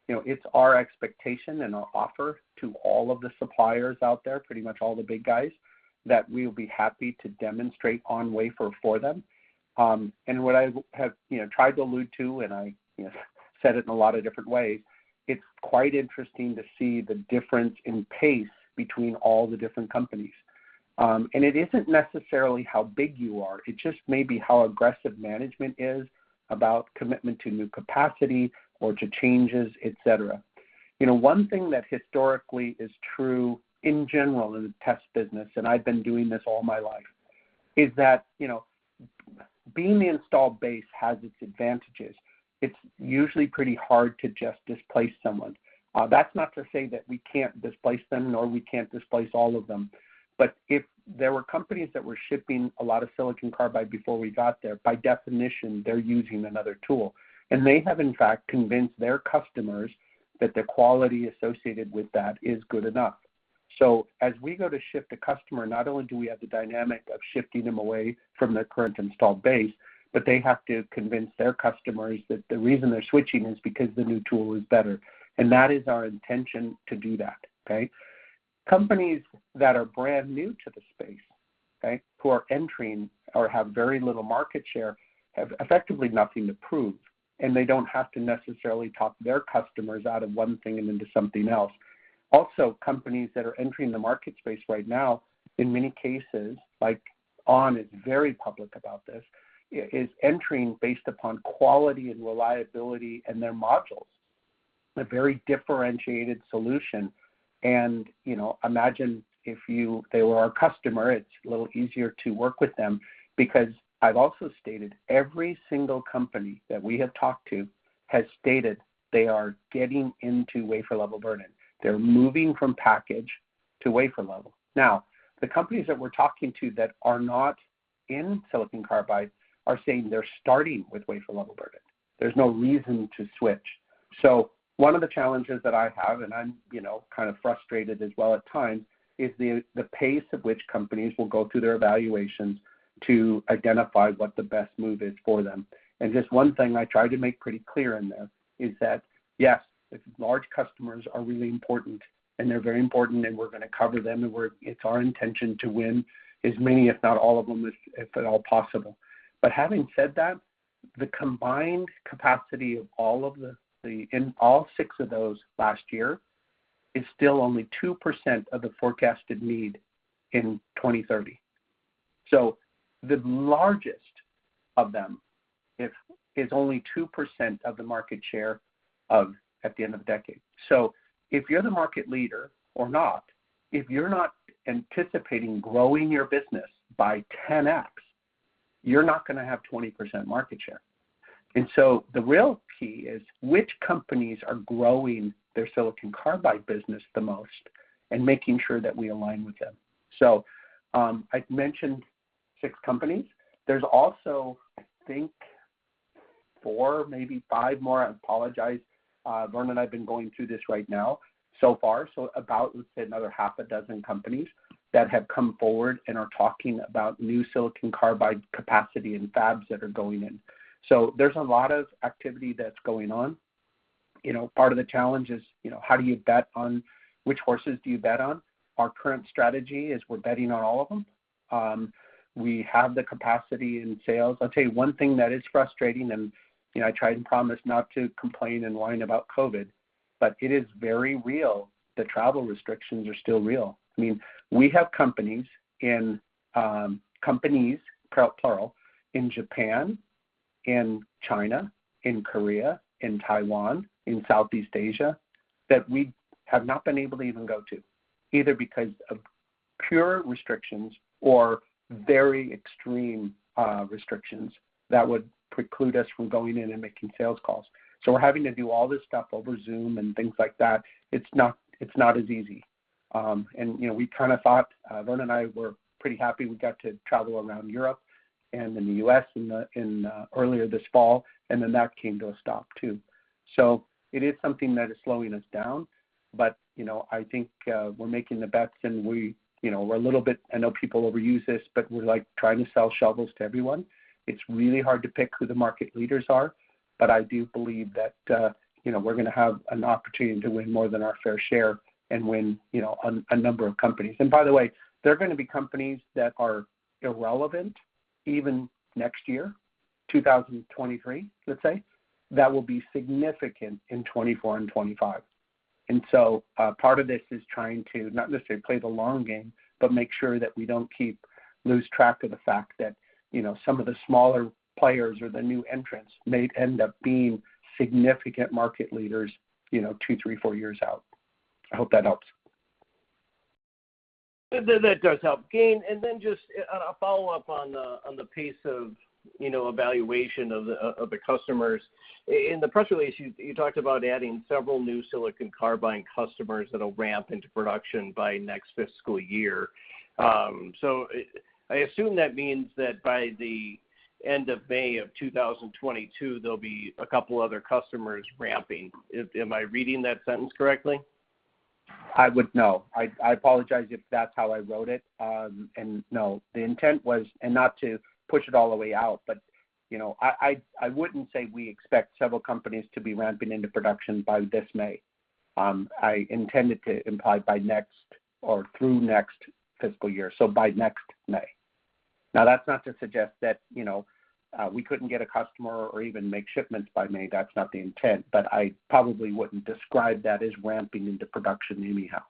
You know, it's our expectation and our offer to all of the suppliers out there, pretty much all the big guys, that we'll be happy to demonstrate on-wafer for them. What I have you know tried to allude to, and I you know said it in a lot of different ways, it's quite interesting to see the difference in pace between all the different companies. It isn't necessarily how big you are. It just may be how aggressive management is about commitment to new capacity or to changes, et cetera. You know, one thing that historically is true in general in the test business, and I've been doing this all my life, is that, you know, being the installed base has its advantages. It's usually pretty hard to just displace someone. That's not to say that we can't displace them, nor we can't displace all of them. If there were companies that were shipping a lot of silicon carbide before we got there, by definition, they're using another tool. They have in fact convinced their customers that the quality associated with that is good enough. As we go to shift a customer, not only do we have the dynamic of shifting them away from their current installed base, but they have to convince their customers that the reason they're switching is because the new tool is better. That is our intention to do that, okay? Companies that are brand new to the space, okay, who are entering or have very little market share, have effectively nothing to prove, and they don't have to necessarily talk their customers out of one thing and into something else. Also, companies that are entering the market space right now, in many cases, like ON is very public about this, is entering based upon quality and reliability in their modules, a very differentiated solution. You know, imagine they were our customer, it's a little easier to work with them because I've also stated every single company that we have talked to has stated they are getting into wafer level burn-in. They're moving from package to wafer level. Now, the companies that we're talking to that are not in silicon carbide are saying they're starting with wafer level burn-in. There's no reason to switch. One of the challenges that I have, and I'm, you know, kind of frustrated as well at times, is the pace at which companies will go through their evaluations to identify what the best move is for them. Just one thing I try to make pretty clear in this is that, yes, large customers are really important, and they're very important, and we're gonna cover them. It's our intention to win as many, if not all of them, if at all possible. Having said that, the combined capacity of all of the in all six of those last year is still only 2% of the forecasted need in 2030. The largest of them is only 2% of the market share at the end of the decade. If you're the market leader or not, if you're not anticipating growing your business by 10x, you're not gonna have 20% market share. The real key is which companies are growing their silicon carbide business the most and making sure that we align with them. I've mentioned six companies. There's also, I think, four, maybe five more. I apologize. Vernon and I've been going through this right now so far, so about, let's say another half a dozen companies that have come forward and are talking about new silicon carbide capacity and fabs that are going in. There's a lot of activity that's going on. You know, part of the challenge is, you know, how do you bet on which horses do you bet on? Our current strategy is we're betting on all of them. We have the capacity in sales. I'll tell you one thing that is frustrating, and, you know, I try and promise not to complain and whine about COVID, but it is very real. The travel restrictions are still real. I mean, we have companies, plural, in Japan, in China, in Korea, in Taiwan, in Southeast Asia, that we have not been able to even go to either because of COVID restrictions or very extreme restrictions that would preclude us from going in and making sales calls. We're having to do all this stuff over Zoom and things like that. It's not as easy. You know, we kind of thought Vernon and I were pretty happy we got to travel around Europe and in the U.S. earlier this fall, and then that came to a stop too. It is something that is slowing us down. You know, I think we're making the bets, and we, you know, we're a little bit... I know people overuse this, but we're like trying to sell shovels to everyone. It's really hard to pick who the market leaders are. I do believe that, you know, we're gonna have an opportunity to win more than our fair share and win, you know, on a number of companies. By the way, there are gonna be companies that are irrelevant even next year, 2023, let's say, that will be significant in 2024 and 2025. Part of this is trying to not necessarily play the long game, but make sure that we don't lose track of the fact that, you know, some of the smaller players or the new entrants may end up being significant market leaders, you know, two, three, four years out. I hope that helps. That does help. Gayn, then just a follow-up on the pace of evaluation of the customers. In the press release, you talked about adding several new silicon carbide customers that'll ramp into production by next fiscal year. So I assume that means that by the end of May of 2022, there'll be a couple other customers ramping. Am I reading that sentence correctly? No. I apologize if that's how I wrote it. The intent was not to push it all the way out, but you know, I wouldn't say we expect several companies to be ramping into production by this May. I intended to imply by next or through next fiscal year, so by next May. Now, that's not to suggest that, you know, we couldn't get a customer or even make shipments by May. That's not the intent. I probably wouldn't describe that as ramping into production anyhow.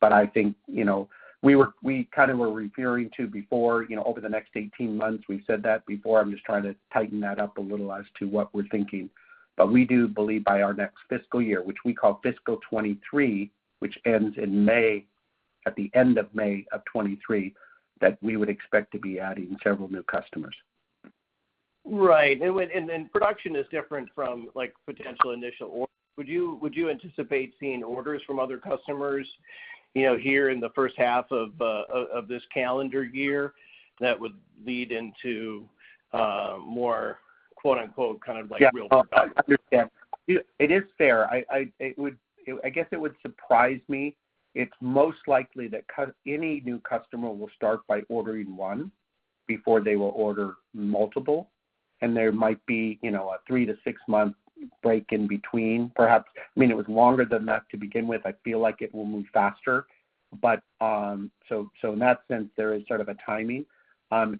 I think, you know, we kind of were referring to before, you know, over the next 18 months, we've said that before. I'm just trying to tighten that up a little as to what we're thinking. We do believe by our next fiscal year, which we call fiscal 2023, which ends in May, at the end of May of 2023, that we would expect to be adding several new customers. Right. Production is different from, like, potential initial orders. Would you anticipate seeing orders from other customers, you know, here in the first half of this calendar year that would lead into more, quote-unquote, kind of like real production? Yeah. No, I understand. It is fair. I guess it would surprise me. It's most likely that any new customer will start by ordering one before they will order multiple, and there might be, you know, a 3 to 6-month break in between, perhaps. I mean, it was longer than that to begin with. I feel like it will move faster. In that sense, there is sort of a timing.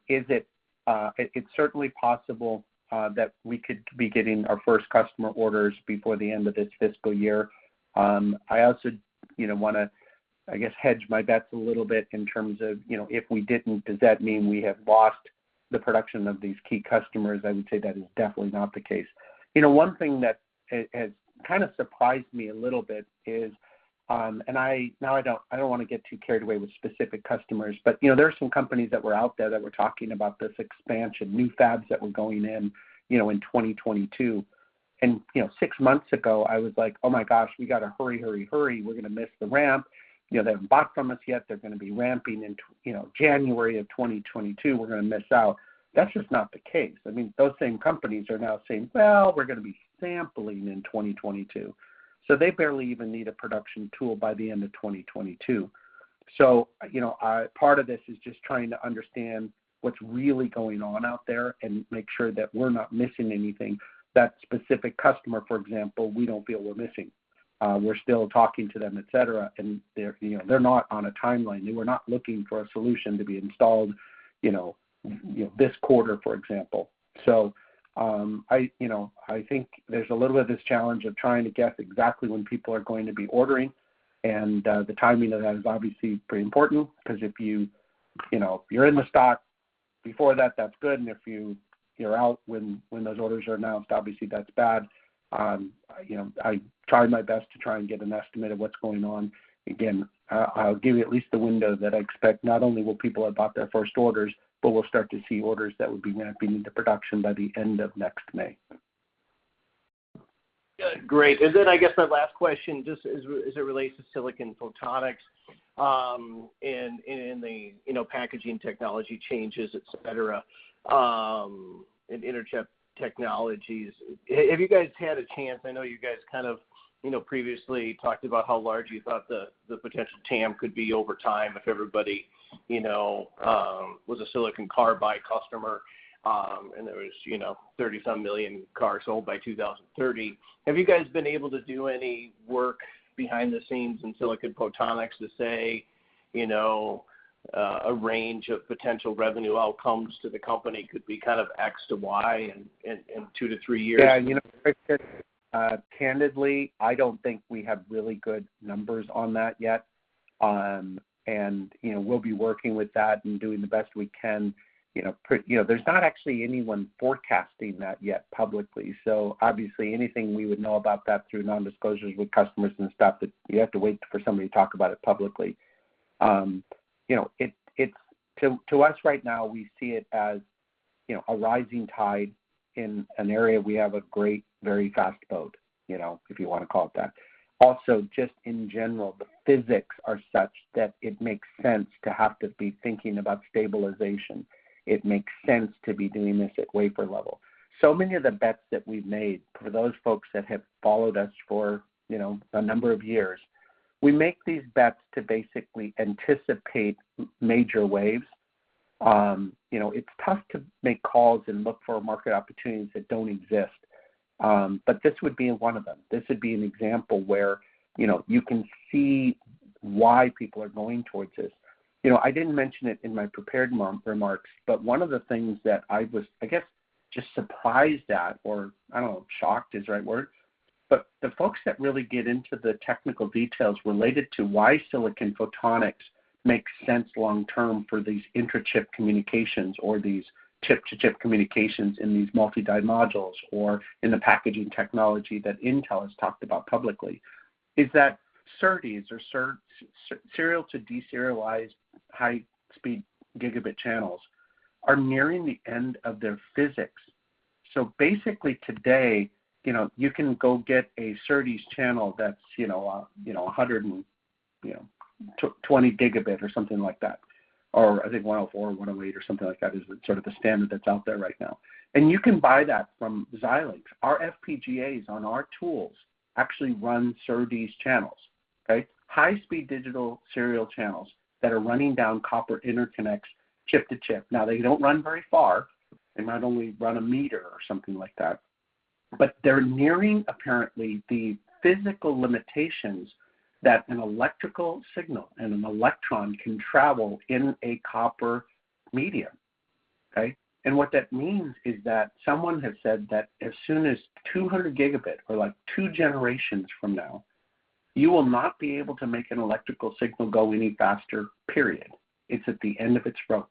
It's certainly possible that we could be getting our first customer orders before the end of this fiscal year. I also, you know, want to, I guess, hedge my bets a little bit in terms of, you know, if we didn't, does that mean we have lost the production of these key customers? I would say that is definitely not the case. You know, one thing that has kind of surprised me a little bit is. Now I don't wanna get too carried away with specific customers, but, you know, there are some companies that were out there that were talking about this expansion, new fabs that were going in, you know, in 2022. You know, six months ago, I was like, "Oh my gosh, we gotta hurry, hurry. We're gonna miss the ramp. You know, they haven't bought from us yet. They're gonna be ramping in you know, January of 2022. We're gonna miss out." That's just not the case. I mean, those same companies are now saying, "Well, we're gonna be sampling in 2022." So they barely even need a production tool by the end of 2022. Part of this is just trying to understand what's really going on out there and make sure that we're not missing anything. That specific customer, for example, we don't feel we're missing. We're still talking to them, et cetera, and they're, you know, they're not on a timeline. They were not looking for a solution to be installed, you know, this quarter, for example. I think there's a little bit of this challenge of trying to guess exactly when people are going to be ordering, and the timing of that is obviously pretty important, 'cause if you know, if you're in the stock before that's good. If you're out when those orders are announced, obviously that's bad. You know, I try my best to try and get an estimate of what's going on. Again, I'll give you at least the window that I expect not only will people have bought their first orders, but we'll start to see orders that would be ramping into production by the end of next May. Good. Great. I guess my last question just as it relates to silicon photonics, and the you know, packaging technology changes, et cetera, and Incal Technology. Have you guys had a chance? I know you guys kind of you know, previously talked about how large you thought the potential TAM could be over time if everybody you know, was a silicon carbide customer, and there was you know, 30-some million cars sold by 2030. Have you guys been able to do any work behind the scenes in silicon photonics to say you know, a range of potential revenue outcomes to the company could be kind of X to Y in two to three years? Yeah. You know, Chris, candidly, I don't think we have really good numbers on that yet. You know, we'll be working with that and doing the best we can, you know. You know, there's not actually anyone forecasting that yet publicly. So obviously anything we would know about that through non-disclosures with customers and stuff that you have to wait for somebody to talk about it publicly. You know, To us right now, we see it as, you know, a rising tide in an area we have a great, very fast boat, you know, if you wanna call it that. Also, just in general, the physics are such that it makes sense to have to be thinking about stabilization. It makes sense to be doing this at wafer level. Many of the bets that we've made, for those folks that have followed us for, you know, a number of years, we make these bets to basically anticipate major waves. You know, it's tough to make calls and look for market opportunities that don't exist, but this would be one of them. This would be an example where, you know, you can see why people are going towards this. You know, I didn't mention it in my prepared remarks, but one of the things that I was, I guess, just surprised at, or I don't know, shocked is the right word, but the folks that really get into the technical details related to why silicon photonics makes sense long-term for these intra-chip communications or these chip-to-chip communications in these multi-die modules or in the packaging technology that Intel has talked about publicly is that SerDes, or Serializer to Deserializer high-speed gigabit channels, are nearing the end of their physics. Basically, today, you know, you can go get a SerDes channel that's, you know, a hundred and twenty gigabit or something like that, or I think 104 or 108 or something like that is the sort of the standard that's out there right now. You can buy that from Xilinx. Our FPGAs on our tools actually run SerDes channels, okay? High-speed digital serial channels that are running down copper interconnects chip-to-chip. Now, they don't run very far. They might only run a meter or something like that, but they're nearing, apparently, the physical limitations that an electrical signal and an electron can travel in a copper medium, okay? What that means is that someone has said that as soon as 200 gigabit or, like, two generations from now, you will not be able to make an electrical signal go any faster, period. It's at the end of its rope.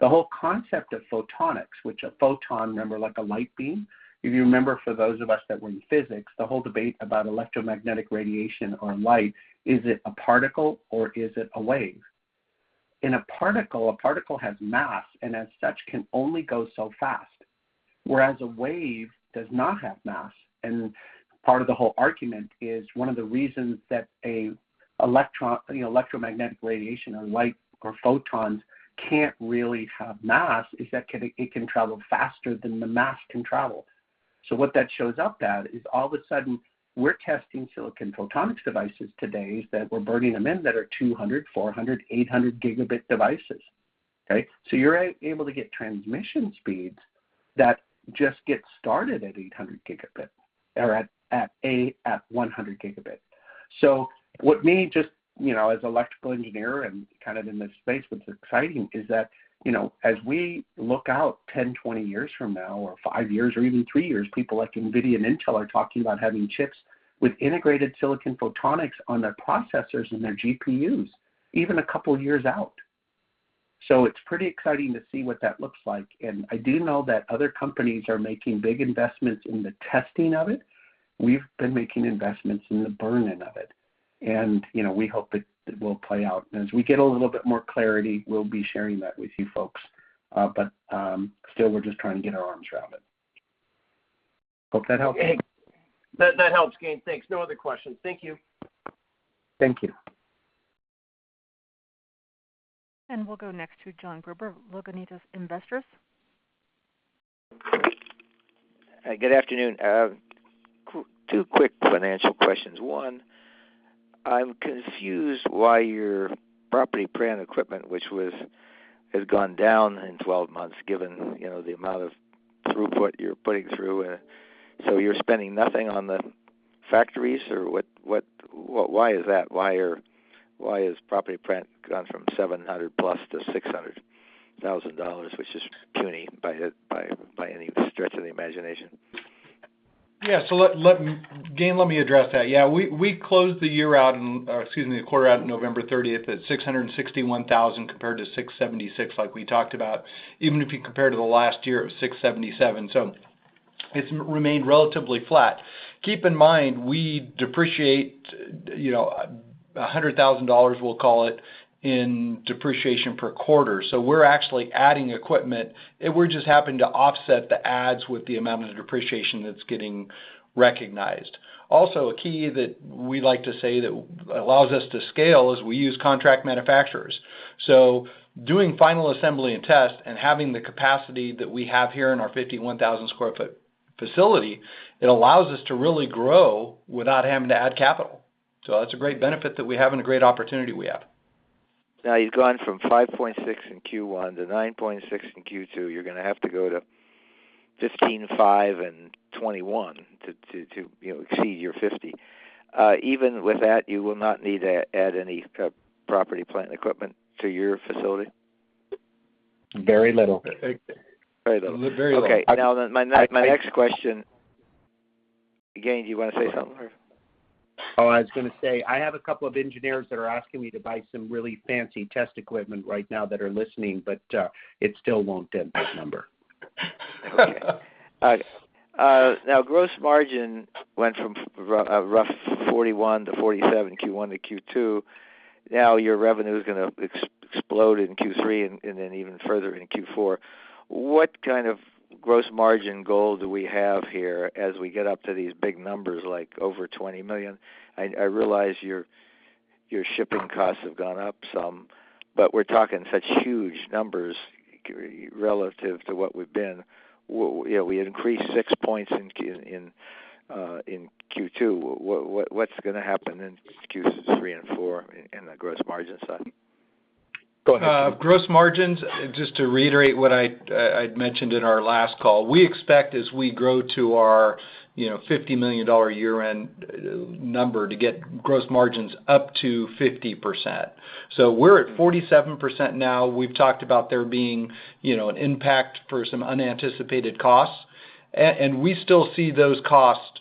The whole concept of photonics, which a photon, remember like a light beam, if you remember for those of us that were in physics, the whole debate about electromagnetic radiation or light, is it a particle or is it a wave? In a particle, a particle has mass, and as such can only go so fast, whereas a wave does not have mass. Part of the whole argument is one of the reasons that you know, electromagnetic radiation or light or photons can't really have mass is that it can travel faster than the mass can travel. What that shows up at is all of a sudden we're testing silicon photonics devices today that we're burning them in that are 200, 400, 800 gigabit devices, okay? You're able to get transmission speeds that just get started at 800 gigabit or at 100 gigabit. What may just, you know, as an electrical engineer and kind of in this space, what's exciting is that, you know, as we look out 10, 20 years from now, or 5 years or even 3 years, people like NVIDIA and Intel are talking about having chips with integrated silicon photonics on their processors and their GPUs even a couple of years out. It's pretty exciting to see what that looks like. I do know that other companies are making big investments in the testing of it. We've been making investments in the burn-in of it. You know, we hope it will play out. As we get a little bit more clarity, we'll be sharing that with you folks. Still, we're just trying to get our arms around it. Hope that helps. Hey, that helps, Gayn. Thanks. No other questions. Thank you. Thank you. We'll go next to John Gruber, Logan Neates Investors. Hi, good afternoon. Q2 quick financial questions. One, I'm confused why your property, plant, and equipment, which has gone down in 12 months, given, you know, the amount of throughput you're putting through. You're spending nothing on the factories or what, why is that? Why is property, plant gone from $700,000+ to $600,000, which is puny by any stretch of the imagination? Yeah. Let me, Gayn, let me address that. Yeah, we closed the quarter out November 30 at $661,000 compared to $676 like we talked about. Even if you compare to the last year, it was $677. It's remained relatively flat. Keep in mind, we depreciate, you know, $100,000, we'll call it, in depreciation per quarter. We're actually adding equipment, and we're just happening to offset the adds with the amount of depreciation that's getting recognized. Also, a key that we like to say that allows us to scale is we use contract manufacturers. Doing final assembly and test and having the capacity that we have here in our 51,000 square foot facility, it allows us to really grow without having to add capital. That's a great benefit that we have and a great opportunity we have. Now, you've gone from $5.6 in Q1 to $9.6 in Q2. You're gonna have to go to $15.5 and $21 to, you know, exceed your $50. Even with that, you will not need to add any property, plant, and equipment to your facility? Very little. Very little. Okay. My next question. Gayn, do you wanna say something or? Oh, I was gonna say I have a couple of engineers that are asking me to buy some really fancy test equipment right now that are listening, but it still won't dent this number. Okay. Now gross margin went from a rough 41% to 47% Q1 to Q2. Now your revenue is gonna explode in Q3 and then even further in Q4. What kind of gross margin goal do we have here as we get up to these big numbers, like over $20 million? I realize your shipping costs have gone up some, but we're talking such huge numbers relative to what we've been. You know, we increased six points in Q2, what's gonna happen in Q3 and Q4 in the gross margin side? Go ahead. Gross margins, just to reiterate what I'd mentioned in our last call, we expect as we grow to our $50 million year-end number to get gross margins up to 50%. We're at 47% now. We've talked about there being, you know, an impact for some unanticipated costs. And we still see those costs,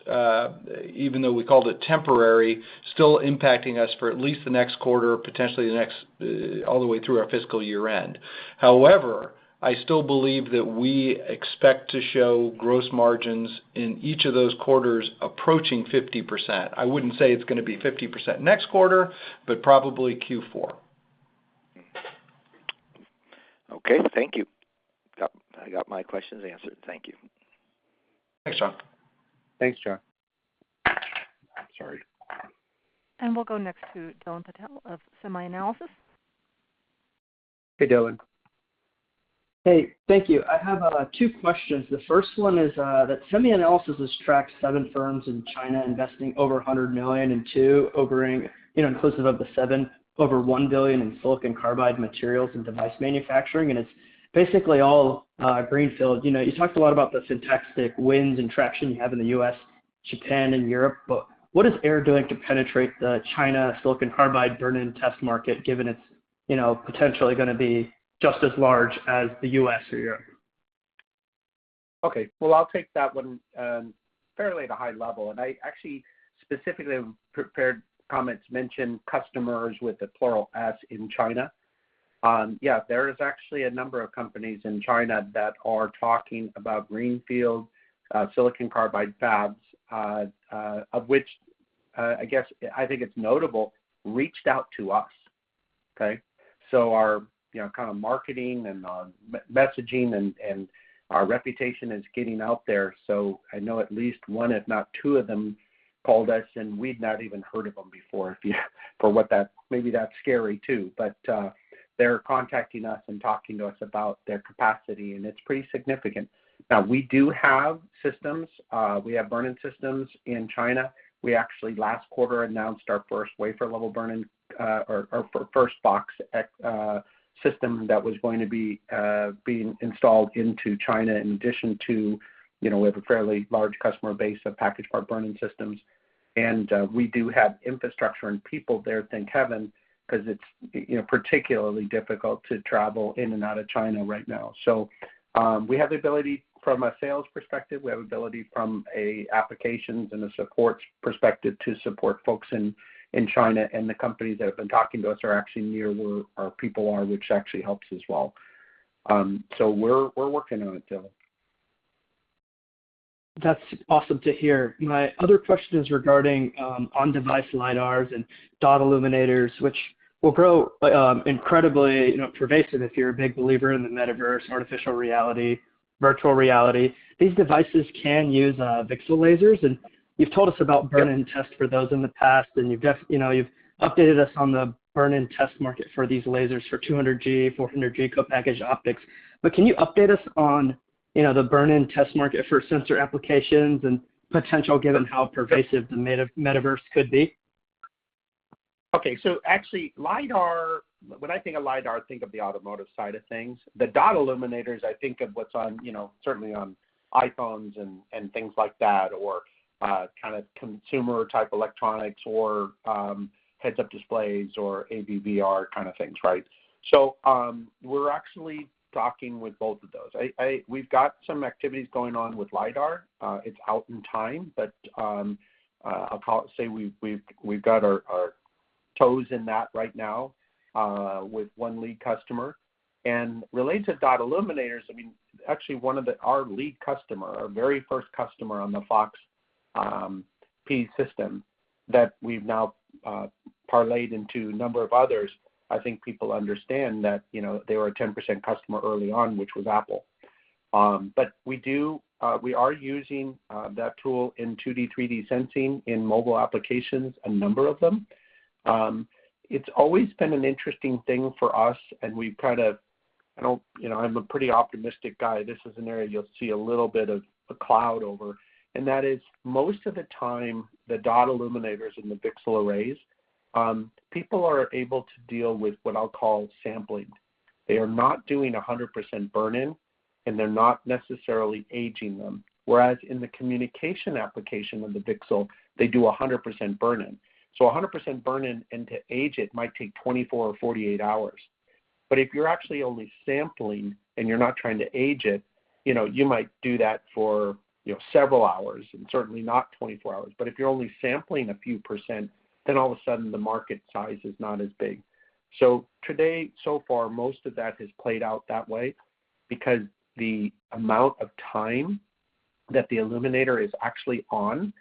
even though we called it temporary, still impacting us for at least the next quarter, potentially the next, all the way through our fiscal year-end. However, I still believe that we expect to show gross margins in each of those quarters approaching 50%. I wouldn't say it's gonna be 50% next quarter, but probably Q4. Okay. Thank you. I got my questions answered. Thank you. Thanks, John. Thanks, John. I'm sorry. We'll go next to Dylan Patel of SemiAnalysis. Hey, Dylan. Hey, thank you. I have two questions. The first one is that SemiAnalysis has tracked seven firms in China investing over $100 million, and two, over $1 billion, you know, inclusive of the seven, in silicon carbide materials and device manufacturing, and it's basically all greenfield. You know, you talked a lot about the significant wins and traction you have in the U.S., Japan, and Europe, but what is Aehr doing to penetrate the China silicon carbide burn-in test market, given it's, you know, potentially gonna be just as large as the U.S. or Europe? I'll take that one fairly at a high level. I actually specifically prepared comments, mentioned customers with the plural as in China. Yeah, there is actually a number of companies in China that are talking about greenfield silicon carbide fabs, of which I guess I think it's notable reached out to us. Our you know kind of marketing and messaging and our reputation is getting out there. I know at least one, if not two of them called us, and we'd not even heard of them before, for what that's worth. Maybe that's scary too. They're contacting us and talking to us about their capacity, and it's pretty significant. Now we do have burn-in systems in China. We actually last quarter announced our first wafer level burn-in or first FOX system that was going to be being installed into China in addition to, you know, we have a fairly large customer base of package part burn-in systems, and we do have infrastructure and people there, thank heaven, 'cause it's you know particularly difficult to travel in and out of China right now. We have the ability from a sales perspective, we have ability from an applications and a support perspective to support folks in China. The companies that have been talking to us are actually near where our people are, which actually helps as well. We're working on it, Dylan. That's awesome to hear. My other question is regarding on-device LiDARs and dot projectors, which will grow incredibly, you know, pervasive if you're a big believer in the metaverse, augmented reality, virtual reality. These devices can use VCSEL lasers. You've told us about burn-in- Yep tests for those in the past, and you've, you know, updated us on the burn-in test market for these lasers for 200 G, 400 G co-packaged optics. But can you update us on, you know, the burn-in test market for sensor applications and potential given how pervasive the metaverse could be? Okay. Actually, LiDAR. When I think of LiDAR, I think of the automotive side of things. The dot projectors, I think of what's on, you know, certainly on iPhones and things like that, or kind of consumer-type electronics or heads-up displays or AR/VR kind of things, right? We're actually talking with both of those. We've got some activities going on with LiDAR. It's out in time, but I'll call it, say we've got our toes in that right now with one lead customer. Related to dot projectors, I mean, actually one of our lead customer, our very first customer on the FOX-P system that we've now parlayed into a number of others, I think people understand that, you know, they were a 10% customer early on, which was Apple. We do, we are using that tool in 2D, 3D sensing in mobile applications, a number of them. It's always been an interesting thing for us. I don't, you know, I'm a pretty optimistic guy. This is an area you'll see a little bit of a cloud over, and that is most of the time, the dot projectors in the VCSEL arrays, people are able to deal with what I'll call sampling. They are not doing 100% burn-in, and they're not necessarily aging them. Whereas in the communication application of the VCSEL, they do 100% burn-in. 100% burn-in, and to age it might take 24 or 48 hours. If you're actually only sampling and you're not trying to age it, you know, you might do that for, you know, several hours, and certainly not 24 hours. If you're only sampling a few %, then all of a sudden the market size is not as big. Today, so far, most of that has played out that way because the amount of time that the illuminator is actually on,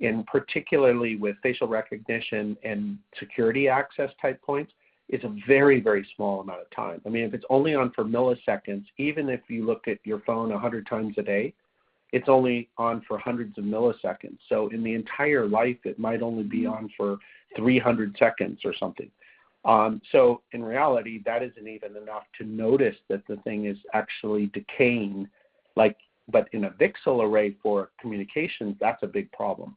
and particularly with facial recognition and security access type points, is a very, very small amount of time. I mean, if it's only on for milliseconds, even if you look at your phone 100 times a day, it's only on for hundreds of milliseconds. In the entire life, it might only be on for 300 seconds or something. In reality, that isn't even enough to notice that the thing is actually decaying. In a VCSEL array for communications, that's a big problem.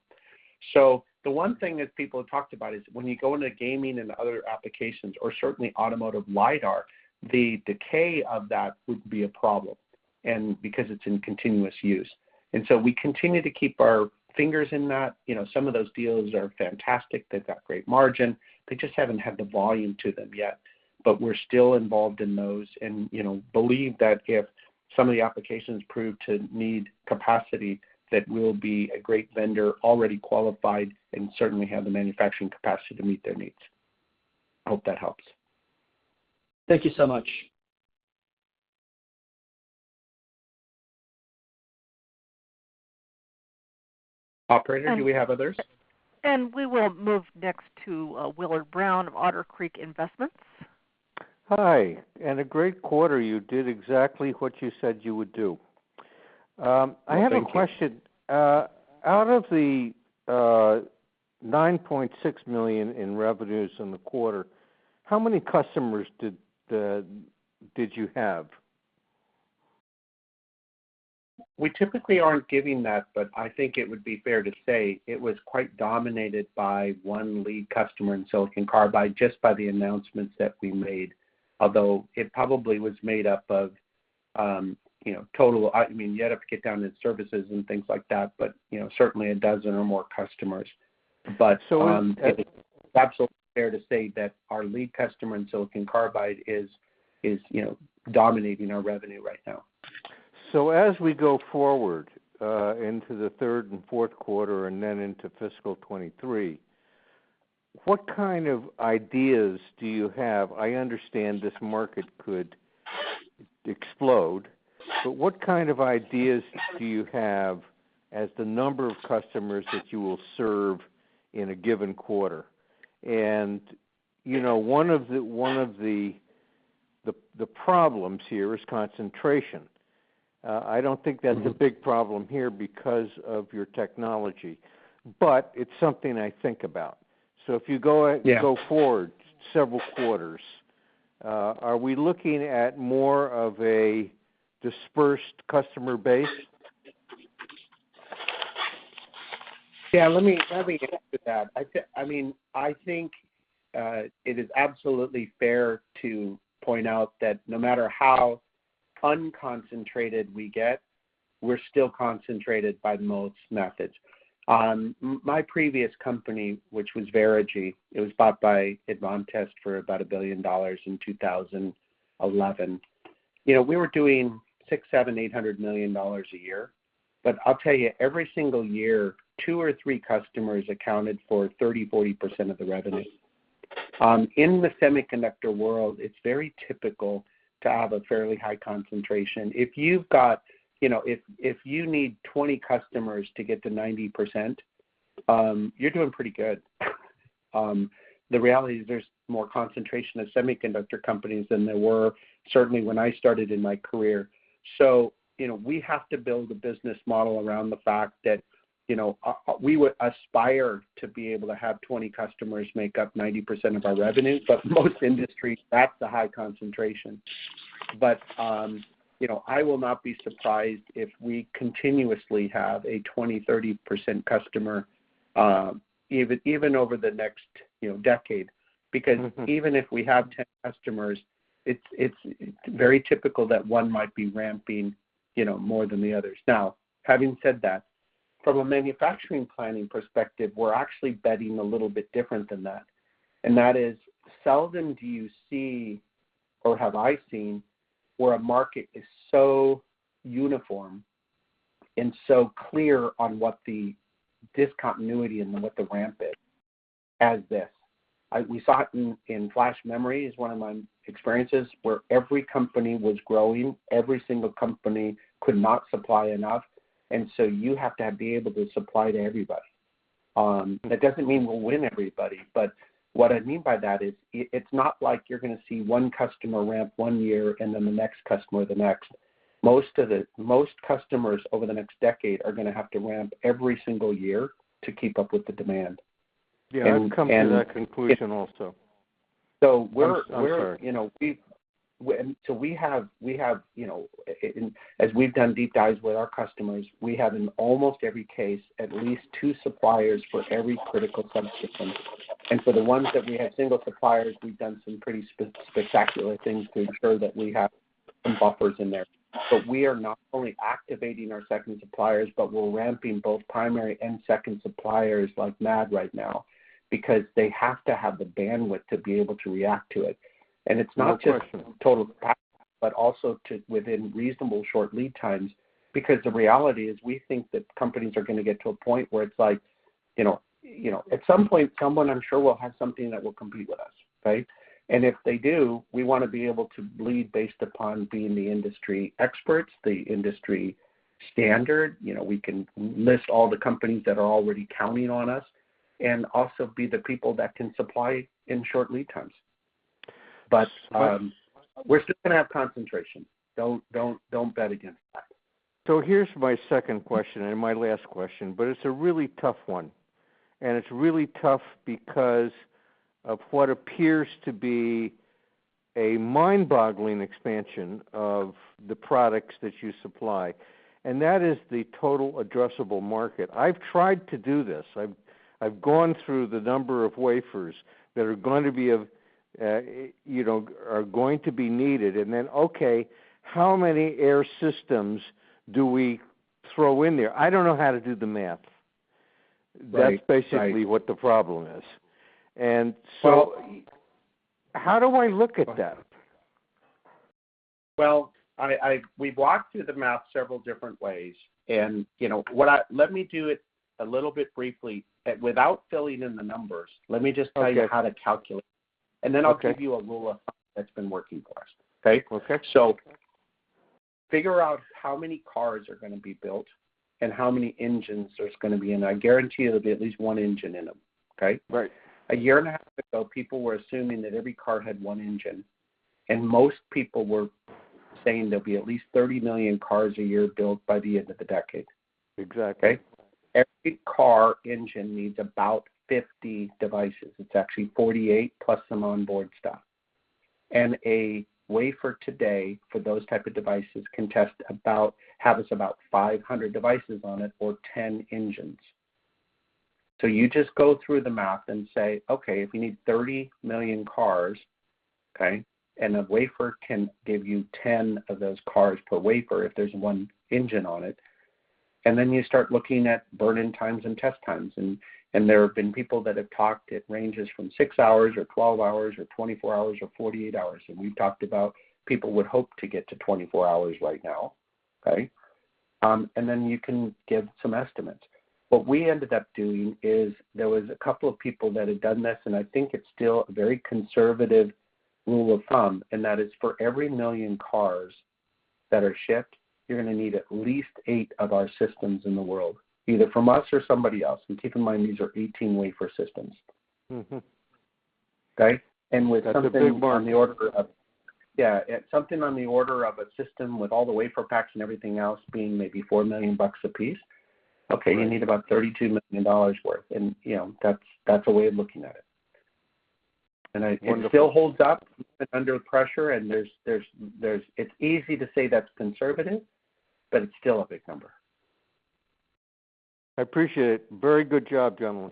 The one thing that people have talked about is when you go into gaming and other applications, or certainly automotive LiDAR, the decay of that would be a problem, and because it's in continuous use. We continue to keep our fingers in that. You know, some of those deals are fantastic. They've got great margin. They just haven't had the volume to them yet. We're still involved in those and, you know, believe that if some of the applications prove to need capacity, that we'll be a great vendor, already qualified, and certainly have the manufacturing capacity to meet their needs. Hope that helps. Thank you so much. Operator, do we have others? We will move next to Willard Brown of Otter Creek Advisors. Hi, a great quarter. You did exactly what you said you would do. Well, thank you. I have a question. Out of the $9.6 million in revenues in the quarter, how many customers did you have? We typically aren't giving that, but I think it would be fair to say it was quite dominated by one lead customer in silicon carbide just by the announcements that we made. Although it probably was made up of, you know, I mean, you'd have to get down to services and things like that, but, you know, certainly a dozen or more customers. It's absolutely fair to say that our lead customer in silicon carbide is, you know, dominating our revenue right now. As we go forward into the third and fourth quarter and then into fiscal 2023, what kind of ideas do you have? I understand this market could explode, but what kind of ideas do you have as the number of customers that you will serve in a given quarter? You know, one of the problems here is concentration. I don't think that's a big problem here because of your technology, but it's something I think about. If you go a- Yeah. Going forward several quarters, are we looking at more of a dispersed customer base? Yeah, let me answer that. I mean, I think it is absolutely fair to point out that no matter how unconcentrated we get, we're still concentrated by most methods. My previous company, which was Verigy, it was bought by Advantest for about $1 billion in 2011. You know, we were doing $600 million-$800 million a year. I'll tell you, every single year, 2 or 3 customers accounted for 30%-40% of the revenue. In the semiconductor world, it's very typical to have a fairly high concentration. If you've got you know, if you need 20 customers to get to 90%, you're doing pretty good. The reality is there's more concentration of semiconductor companies than there were certainly when I started in my career. You know, we have to build a business model around the fact that, you know, we would aspire to be able to have 20 customers make up 90% of our revenue, but most industries, that's a high concentration. I will not be surprised if we continuously have a 20-30% customer, even over the next, you know, decade. Because even if we have 10 customers, it's very typical that one might be ramping, you know, more than the others. Now, having said that, from a manufacturing planning perspective, we're actually betting a little bit different than that. That is seldom do you see, or have I seen, where a market is so uniform and so clear on what the discontinuity and what the ramp is as this. We saw it in flash memory is one of my experiences, where every company was growing, every single company could not supply enough, and so you have to be able to supply to everybody. That doesn't mean we'll win everybody, but what I mean by that is it's not like you're gonna see 1 customer ramp 1 year and then the next customer the next. Most of the... Most customers over the next decade are gonna have to ramp every single year to keep up with the demand. Yeah, I've come to that conclusion also. We're- I'm sorry. You know, we have, you know, as we've done deep dives with our customers, we have in almost every case, at least two suppliers for every critical subsystem. For the ones that we have single suppliers, we've done some pretty spectacular things to ensure that we have some buffers in there. We are not only activating our second suppliers, but we're ramping both primary and second suppliers like mad right now because they have to have the bandwidth to be able to react to it. It's not just- No question. total capacity, but also to within reasonable short lead times. Because the reality is we think that companies are gonna get to a point where it's like, you know, at some point, someone I'm sure will have something that will compete with us, right? If they do, we wanna be able to lead based upon being the industry experts, the industry standard. You know, we can list all the companies that are already counting on us, and also be the people that can supply in short lead times. We're still gonna have concentration. Don't bet against that. Here's my second question and my last question, but it's a really tough one. It's really tough because of what appears to be a mind-boggling expansion of the products that you supply, and that is the total addressable market. I've tried to do this. I've gone through the number of wafers that are going to be, you know, needed, and then, okay, how many Aehr systems do we throw in there? I don't know how to do the math. Right. That's basically what the problem is. How do I look at that? Well, we've walked through the math several different ways, and you know, let me do it a little bit briefly. Without filling in the numbers, let me just tell you how to calculate. Okay Give you a rule of thumb that's been working for us. Okay? Okay. Figure out how many cars are gonna be built and how many engines there's gonna be in. I guarantee you there'll be at least one engine in them. Okay? Right. A year and a half ago, people were assuming that every car had one engine, and most people were saying there'll be at least 30 million cars a year built by the end of the decade. Exactly. Every car engine needs about 50 devices. It's actually 48 plus some onboard stuff. A wafer today, for those type of devices, can test about, have about 500 devices on it or 10 engines. You just go through the math and say, okay, if you need 30 million cars, okay, and a wafer can give you 10 of those cars per wafer, if there's one engine on it, and then you start looking at burn-in times and test times, and there have been people that have talked, it ranges from 6 hours or 12 hours or 24 hours or 48 hours. We've talked about people would hope to get to 24 hours right now. You can give some estimates. What we ended up doing is there was a couple of people that had done this, and I think it's still a very conservative rule of thumb, and that is for every million cars that are shipped, you're gonna need at least 8 of our systems in the world, either from us or somebody else. Keep in mind, these are 18-wafer systems. Mm-hmm. Okay? That's a big burn. Yeah. Something on the order of a system with all the WaferPaks and everything else being maybe $4 million a piece. Okay. You need about $32 million's worth. You know, that's a way of looking at it. And I- It still holds up under pressure. It's easy to say that's conservative, but it's still a big number. I appreciate it. Very good job, gentlemen.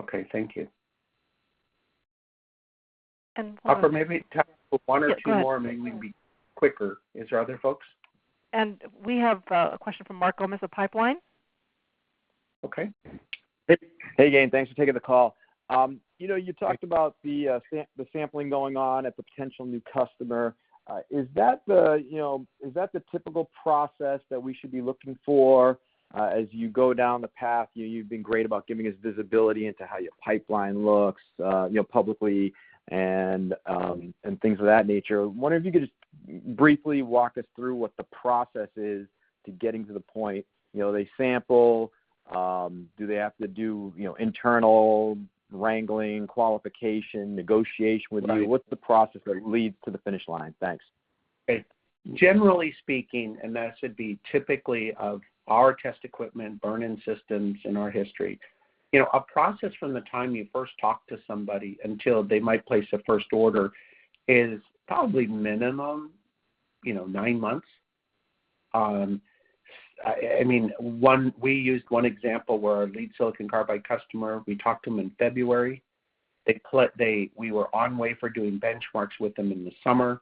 Okay. Thank you. And one- Operator, maybe time for one or two more. Yeah, go ahead. Go ahead Maybe we'll be quicker. Is there other folks? We have a question from Mark Gomes of Pipeline. Okay. Hey. Hey again. Thanks for taking the call. You know, you talked about the sampling going on at the potential new customer. Is that the, you know, is that the typical process that we should be looking for as you go down the path? You've been great about giving us visibility into how your pipeline looks, you know, publicly and things of that nature. I wonder if you could just briefly walk us through what the process is to getting to the point. You know, they sample, do they have to do, you know, internal wrangling, qualification, negotiation with you? Right. What's the process that leads to the finish line? Thanks. Generally speaking, that should be typically of our test equipment, burn-in systems in our history, you know, a process from the time you first talk to somebody until they might place a first order is probably minimum, you know, nine months. We used one example where our lead silicon carbide customer, we talked to them in February. We were on wafer doing benchmarks with them in the summer.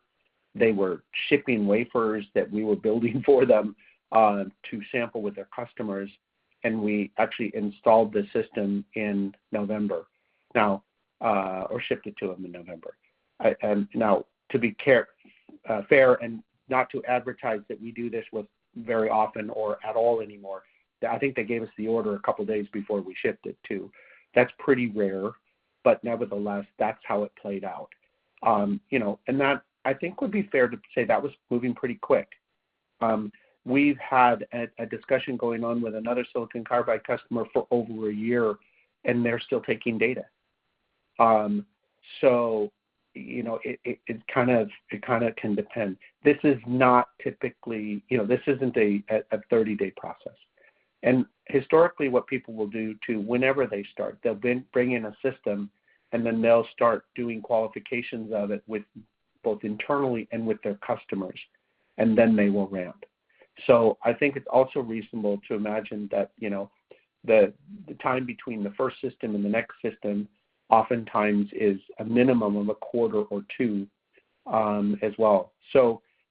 They were shipping wafers that we were building for them to sample with their customers, and we actually installed the system in November. Now, or shipped it to them in November. Now to be careful, fair and not to advertise that we do this very often or at all anymore, I think they gave us the order a couple of days before we shipped it, too. That's pretty rare, but nevertheless, that's how it played out. You know, that I think would be fair to say that was moving pretty quick. We've had a discussion going on with another silicon carbide customer for over a year, and they're still taking data. You know, it kind of can depend. This is not typically, you know, this isn't a 30-day process. Historically, what people will do to whenever they start, they'll bring in a system, and then they'll start doing qualifications of it with both internally and with their customers, and then they will ramp. I think it's also reasonable to imagine that, you know, the time between the first system and the next system oftentimes is a minimum of a quarter or two, as well.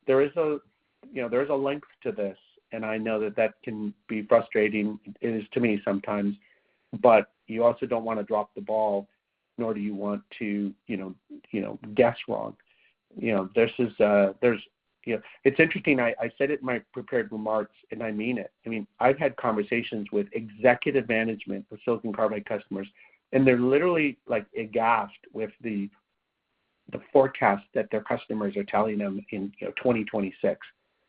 There is a length to this, and I know that can be frustrating. It is to me sometimes. You also don't wanna drop the ball, nor do you want to, you know, guess wrong. You know, there's just, there's, you know. It's interesting, I said it in my prepared remarks, and I mean it. I mean, I've had conversations with executive management for silicon carbide customers, and they're literally, like, aghast with the forecast that their customers are telling them in, you know, 2026.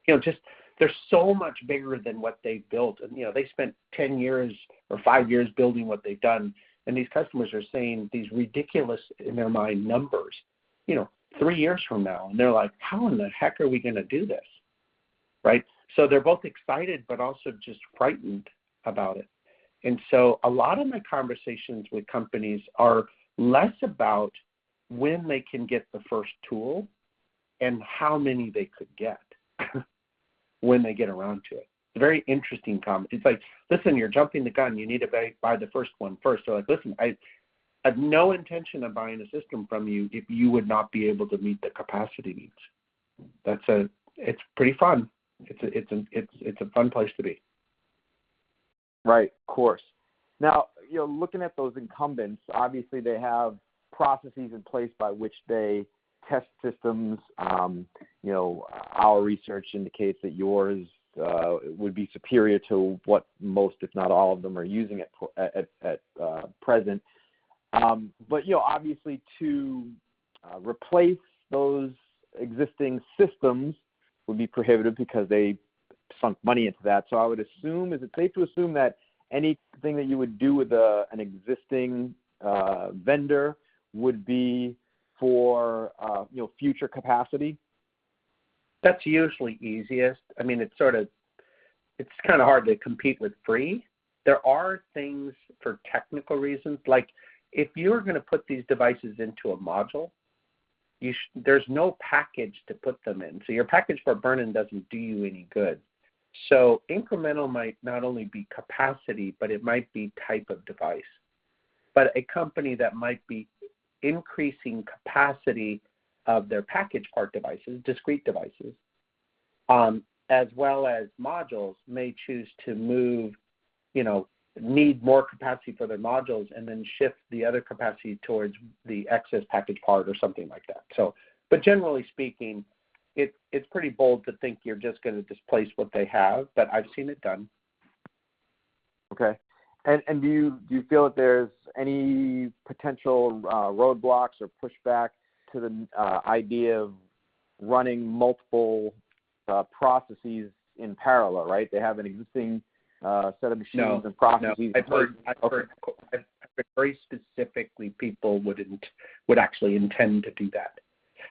You know, just they're so much bigger than what they built. You know, they spent 10 years or 5 years building what they've done, and these customers are saying these ridiculous, in their mind, numbers, you know, 3 years from now. They're like, "How in the heck are we gonna do this?" Right? They're both excited, but also just frightened about it. A lot of my conversations with companies are less about when they can get the first tool and how many they could get when they get around to it. It's like, "Listen, you're jumping the gun. You need to buy the first one first." They're like, "Listen, I have no intention of buying a system from you if you would not be able to meet the capacity needs." That's pretty fun. It's a fun place to be. Right. Of course. Now, you know, looking at those incumbents, obviously they have processes in place by which they test systems. You know, our research indicates that yours would be superior to what most, if not all of them, are using at present. You know, obviously to replace those existing systems would be prohibitive because they sunk money into that. I would assume. Is it safe to assume that anything that you would do with an existing vendor would be for you know, future capacity? That's usually easiest. I mean, it's sort of. It's kind of hard to compete with free. There are things for technical reasons. Like, if you're gonna put these devices into a module, there's no package to put them in. Your package for burn-in doesn't do you any good. Incremental might not only be capacity, but it might be type of device. A company that might be increasing capacity of their package part devices, discrete devices, as well as modules, may choose to move, you know, need more capacity for their modules and then shift the other capacity towards the excess package part or something like that, so. Generally speaking, it's pretty bold to think you're just gonna displace what they have, but I've seen it done. Okay. Do you feel that there's any potential roadblocks or pushback to the idea of running multiple processes in parallel, right? They have an existing set of machines. No. Processes in place. I've heard- Okay I've heard very specifically people would actually intend to do that.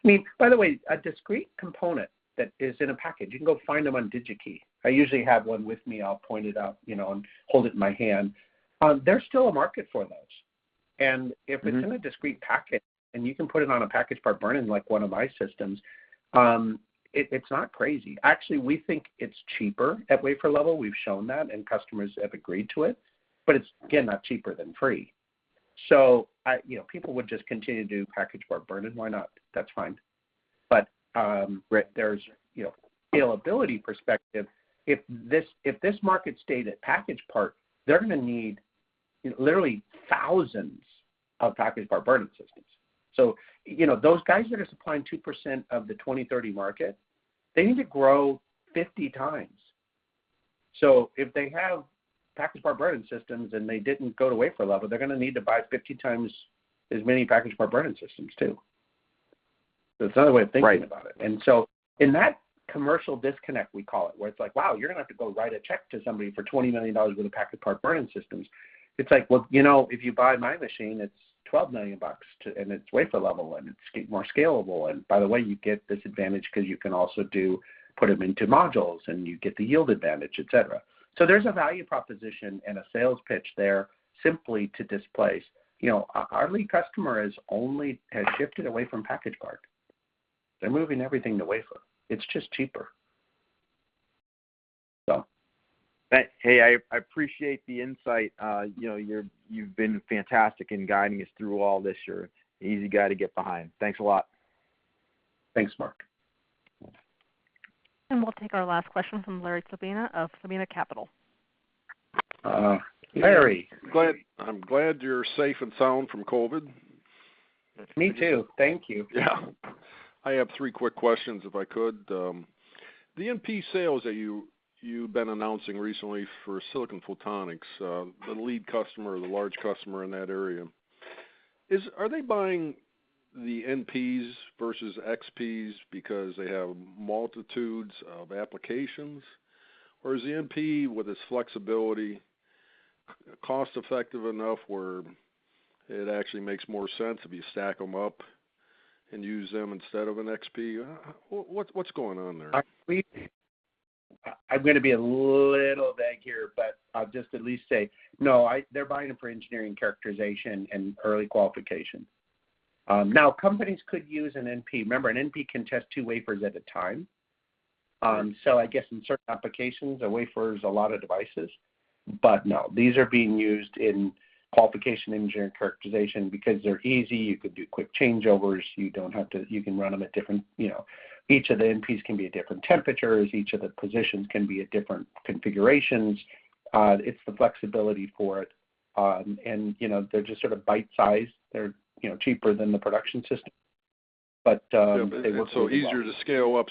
I mean, by the way, a discrete component that is in a package, you can go find them on DigiKey. I usually have one with me. I'll point it out, you know, and hold it in my hand. There's still a market for those. Mm-hmm. If it's in a discrete package, and you can put it on a packaged part burn-in like one of my systems, it's not crazy. Actually, we think it's cheaper at wafer level. We've shown that, and customers have agreed to it. It's, again, not cheaper than free. You know, people would just continue to do packaged part burn-in. Why not? That's fine. From a scalability perspective, if this market stayed at packaged part, they're gonna need thousands of packaged part burn-in systems. Those guys that are supplying 2% of the 2030 market, they need to grow 50 times. If they have packaged part burn-in systems and they didn't go to wafer level, they're gonna need to buy 50 times as many packaged part burn-in systems, too. It's another way of thinking. Right In that commercial disconnect, we call it, where it's like, "Wow, you're gonna have to go write a check to somebody for $20 million worth of package part burn-in systems," it's like, well, you know, if you buy my machine, it's $12 million to and it's wafer level, and it's more scalable. By the way, you get this advantage because you can also put them into modules, and you get the yield advantage, et cetera. There's a value proposition and a sales pitch there simply to displace. You know, our lead customer has only shifted away from package part. They're moving everything to wafer. It's just cheaper. Hey, I appreciate the insight. You know, you've been fantastic in guiding us through all this. You're an easy guy to get behind. Thanks a lot. Thanks, Mark. We'll take our last question from Larry Chlebina of Chlebina Capital. Larry. I'm glad you're safe and sound from COVID. Me too. Thank you. Yeah. I have three quick questions, if I could. The NP sales that you've been announcing recently for silicon photonics, the lead customer, the large customer in that area, are they buying the NPs versus XPs because they have multitudes of applications? Or is the NP, with its flexibility, cost effective enough where it actually makes more sense if you stack them up and use them instead of an XP? What's going on there? I believe I'm gonna be a little vague here, but I'll just at least say, no, they're buying them for engineering characterization and early qualification. Now companies could use an NP. Remember, an NP can test two wafers at a time. Right. I guess in certain applications, a wafer is a lot of devices. No, these are being used in qualification, engineering characterization. Because they're easy, you could do quick changeovers. You can run them at different temperatures. You know, each of the NPs can be at different temperatures. Each of the positions can be at different configurations. It's the flexibility for it. You know, they're just sort of bite-sized. They're, you know, cheaper than the production system. They work really well. Easier to scale up.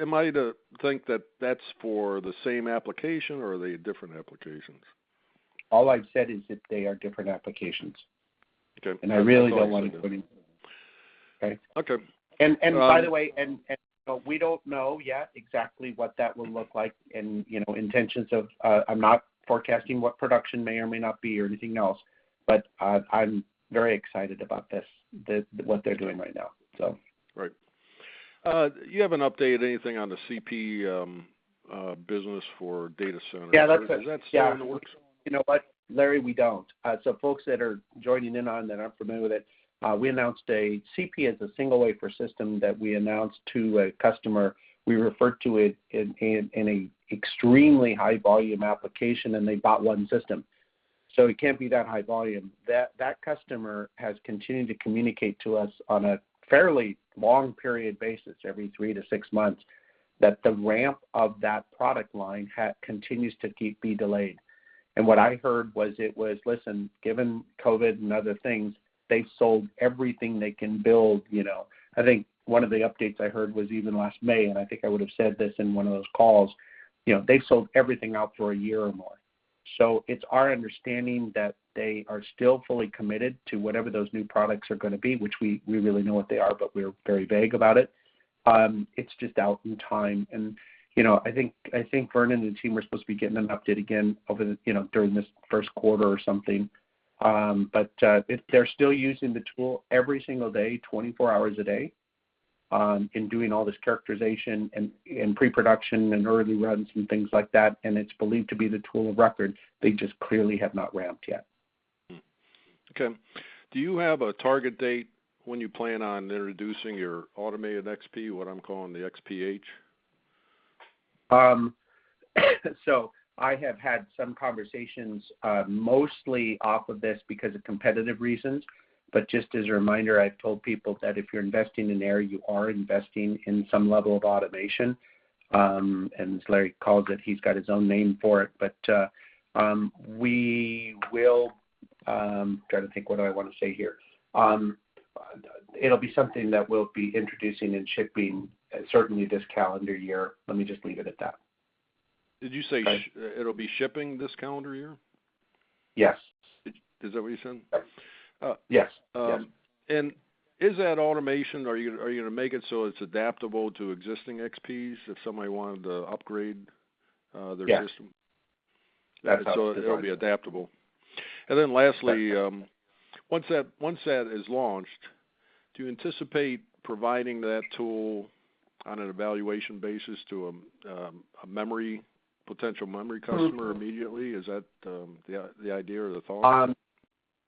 Am I to think that that's for the same application, or are they different applications? All I've said is that they are different applications. Okay. I really don't want to go. Right? Okay. By the way, we don't know yet exactly what that will look like and, you know, intentions of. I'm not forecasting what production may or may not be or anything else, but I'm very excited about this, what they're doing right now, so. Great. You haven't updated anything on the FOX-CP business for data center- Yeah. Is that still in the works? You know what, Larry? We don't. So folks that are joining in on that aren't familiar with it, we announced FOX-CP, a single wafer system that we announced to a customer. We referred to it in a extremely high volume application, and they bought 1 system, so it can't be that high volume. That customer has continued to communicate to us on a fairly long period basis, every 3-6 months, that the ramp of that product line continues to be delayed. What I heard was it was, listen, given COVID and other things, they've sold everything they can build, you know. I think 1 of the updates I heard was even last May, and I think I would've said this in 1 of those calls, you know, they've sold everything out for a year or more. It's our understanding that they are still fully committed to whatever those new products are gonna be, which we really don't know what they are, but we're very vague about it. It's just a matter of time. I think Vernon and the team were supposed to be getting an update again during this first quarter or something. They're still using the tool every single day, 24 hours a day, in doing all this characterization and pre-production and early runs and things like that, and it's believed to be the tool of record. They just clearly have not ramped yet. Do you have a target date when you plan on introducing your automated XP, what I'm calling the XPH? I have had some conversations, mostly off of this because of competitive reasons. Just as a reminder, I've told people that if you're investing in Aehr, you are investing in some level of automation. As Larry calls it, he's got his own name for it. It'll be something that we'll be introducing and shipping certainly this calendar year. Let me just leave it at that. Did you say? Go ahead. It'll be shipping this calendar year? Yes. Is that what you said? Yes. Uh- Yes. Is that automation, are you gonna make it so it's adaptable to existing XPs if somebody wanted to upgrade their system? Yes. That's our design. It'll be adaptable. Yes Then lastly once that is launched, do you anticipate providing that tool on an evaluation basis to a potential memory customer immediately? Is that the idea or the thought?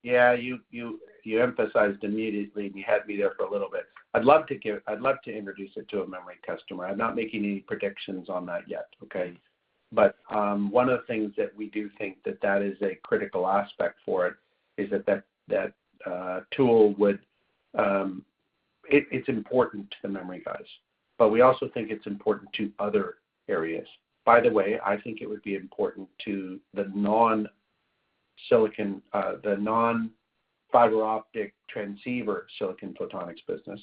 Yeah. You emphasized immediately, and you had me there for a little bit. I'd love to introduce it to a memory customer. I'm not making any predictions on that yet, okay? One of the things that we do think that that is a critical aspect for it is that that tool would. It's important to the memory guys, but we also think it's important to other areas. By the way, I think it would be important to the non-fiber optic transceiver silicon photonics business.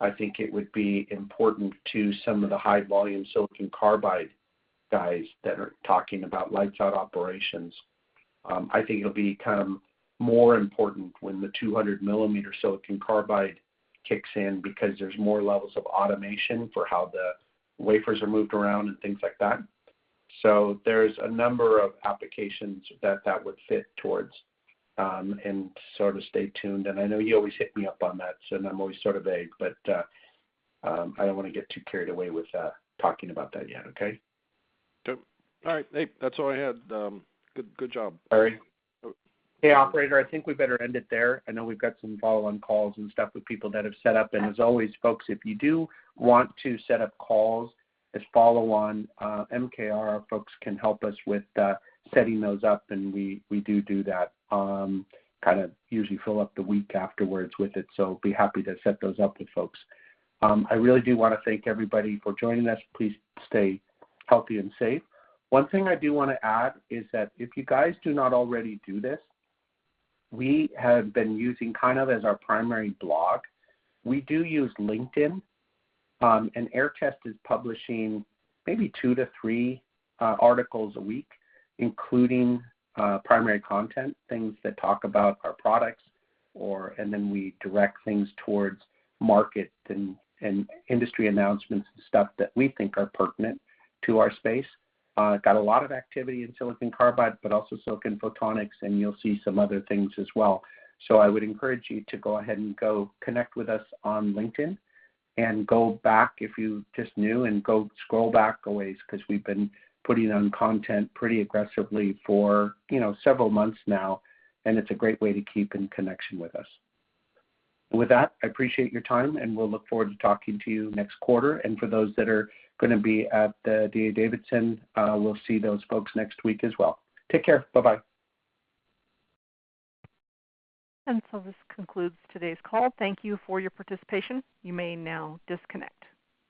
I think it would be important to some of the high volume silicon carbide guys that are talking about lights out operations. I think it'll become more important when the 200 millimeter silicon carbide kicks in because there's more levels of automation for how the wafers are moved around and things like that. There's a number of applications that would fit towards, and sort of stay tuned. I know you always hit me up on that, so I'm always sort of vague, but, I don't wanna get too carried away with, talking about that yet, okay? Okay. All right, mate, that's all I had. Good job. All right. Hey, operator, I think we better end it there. I know we've got some follow on calls and stuff with people that have set up. As always, folks, if you do want to set up calls as follow on, MKR folks can help us with setting those up, and we do that, kind of usually fill up the week afterwards with it. Be happy to set those up with folks. I really do wanna thank everybody for joining us. Please stay healthy and safe. One thing I do wanna add is that if you guys do not already do this, we have been using kind of as our primary blog. We do use LinkedIn, and Aehr Test is publishing maybe 2-3 articles a week, including primary content, things that talk about our products or. Then we direct things towards market and industry announcements and stuff that we think are pertinent to our space. Got a lot of activity in silicon carbide, but also silicon photonics, and you'll see some other things as well. I would encourage you to go ahead and go connect with us on LinkedIn and go back if you just joined and go scroll back a ways 'cause we've been putting on content pretty aggressively for, you know, several months now, and it's a great way to keep in connection with us. With that, I appreciate your time, and we'll look forward to talking to you next quarter. For those that are gonna be at the D.A. Davidson, we'll see those folks next week as well. Take care. Bye-bye. This concludes today's call. Thank you for your participation. You may now disconnect.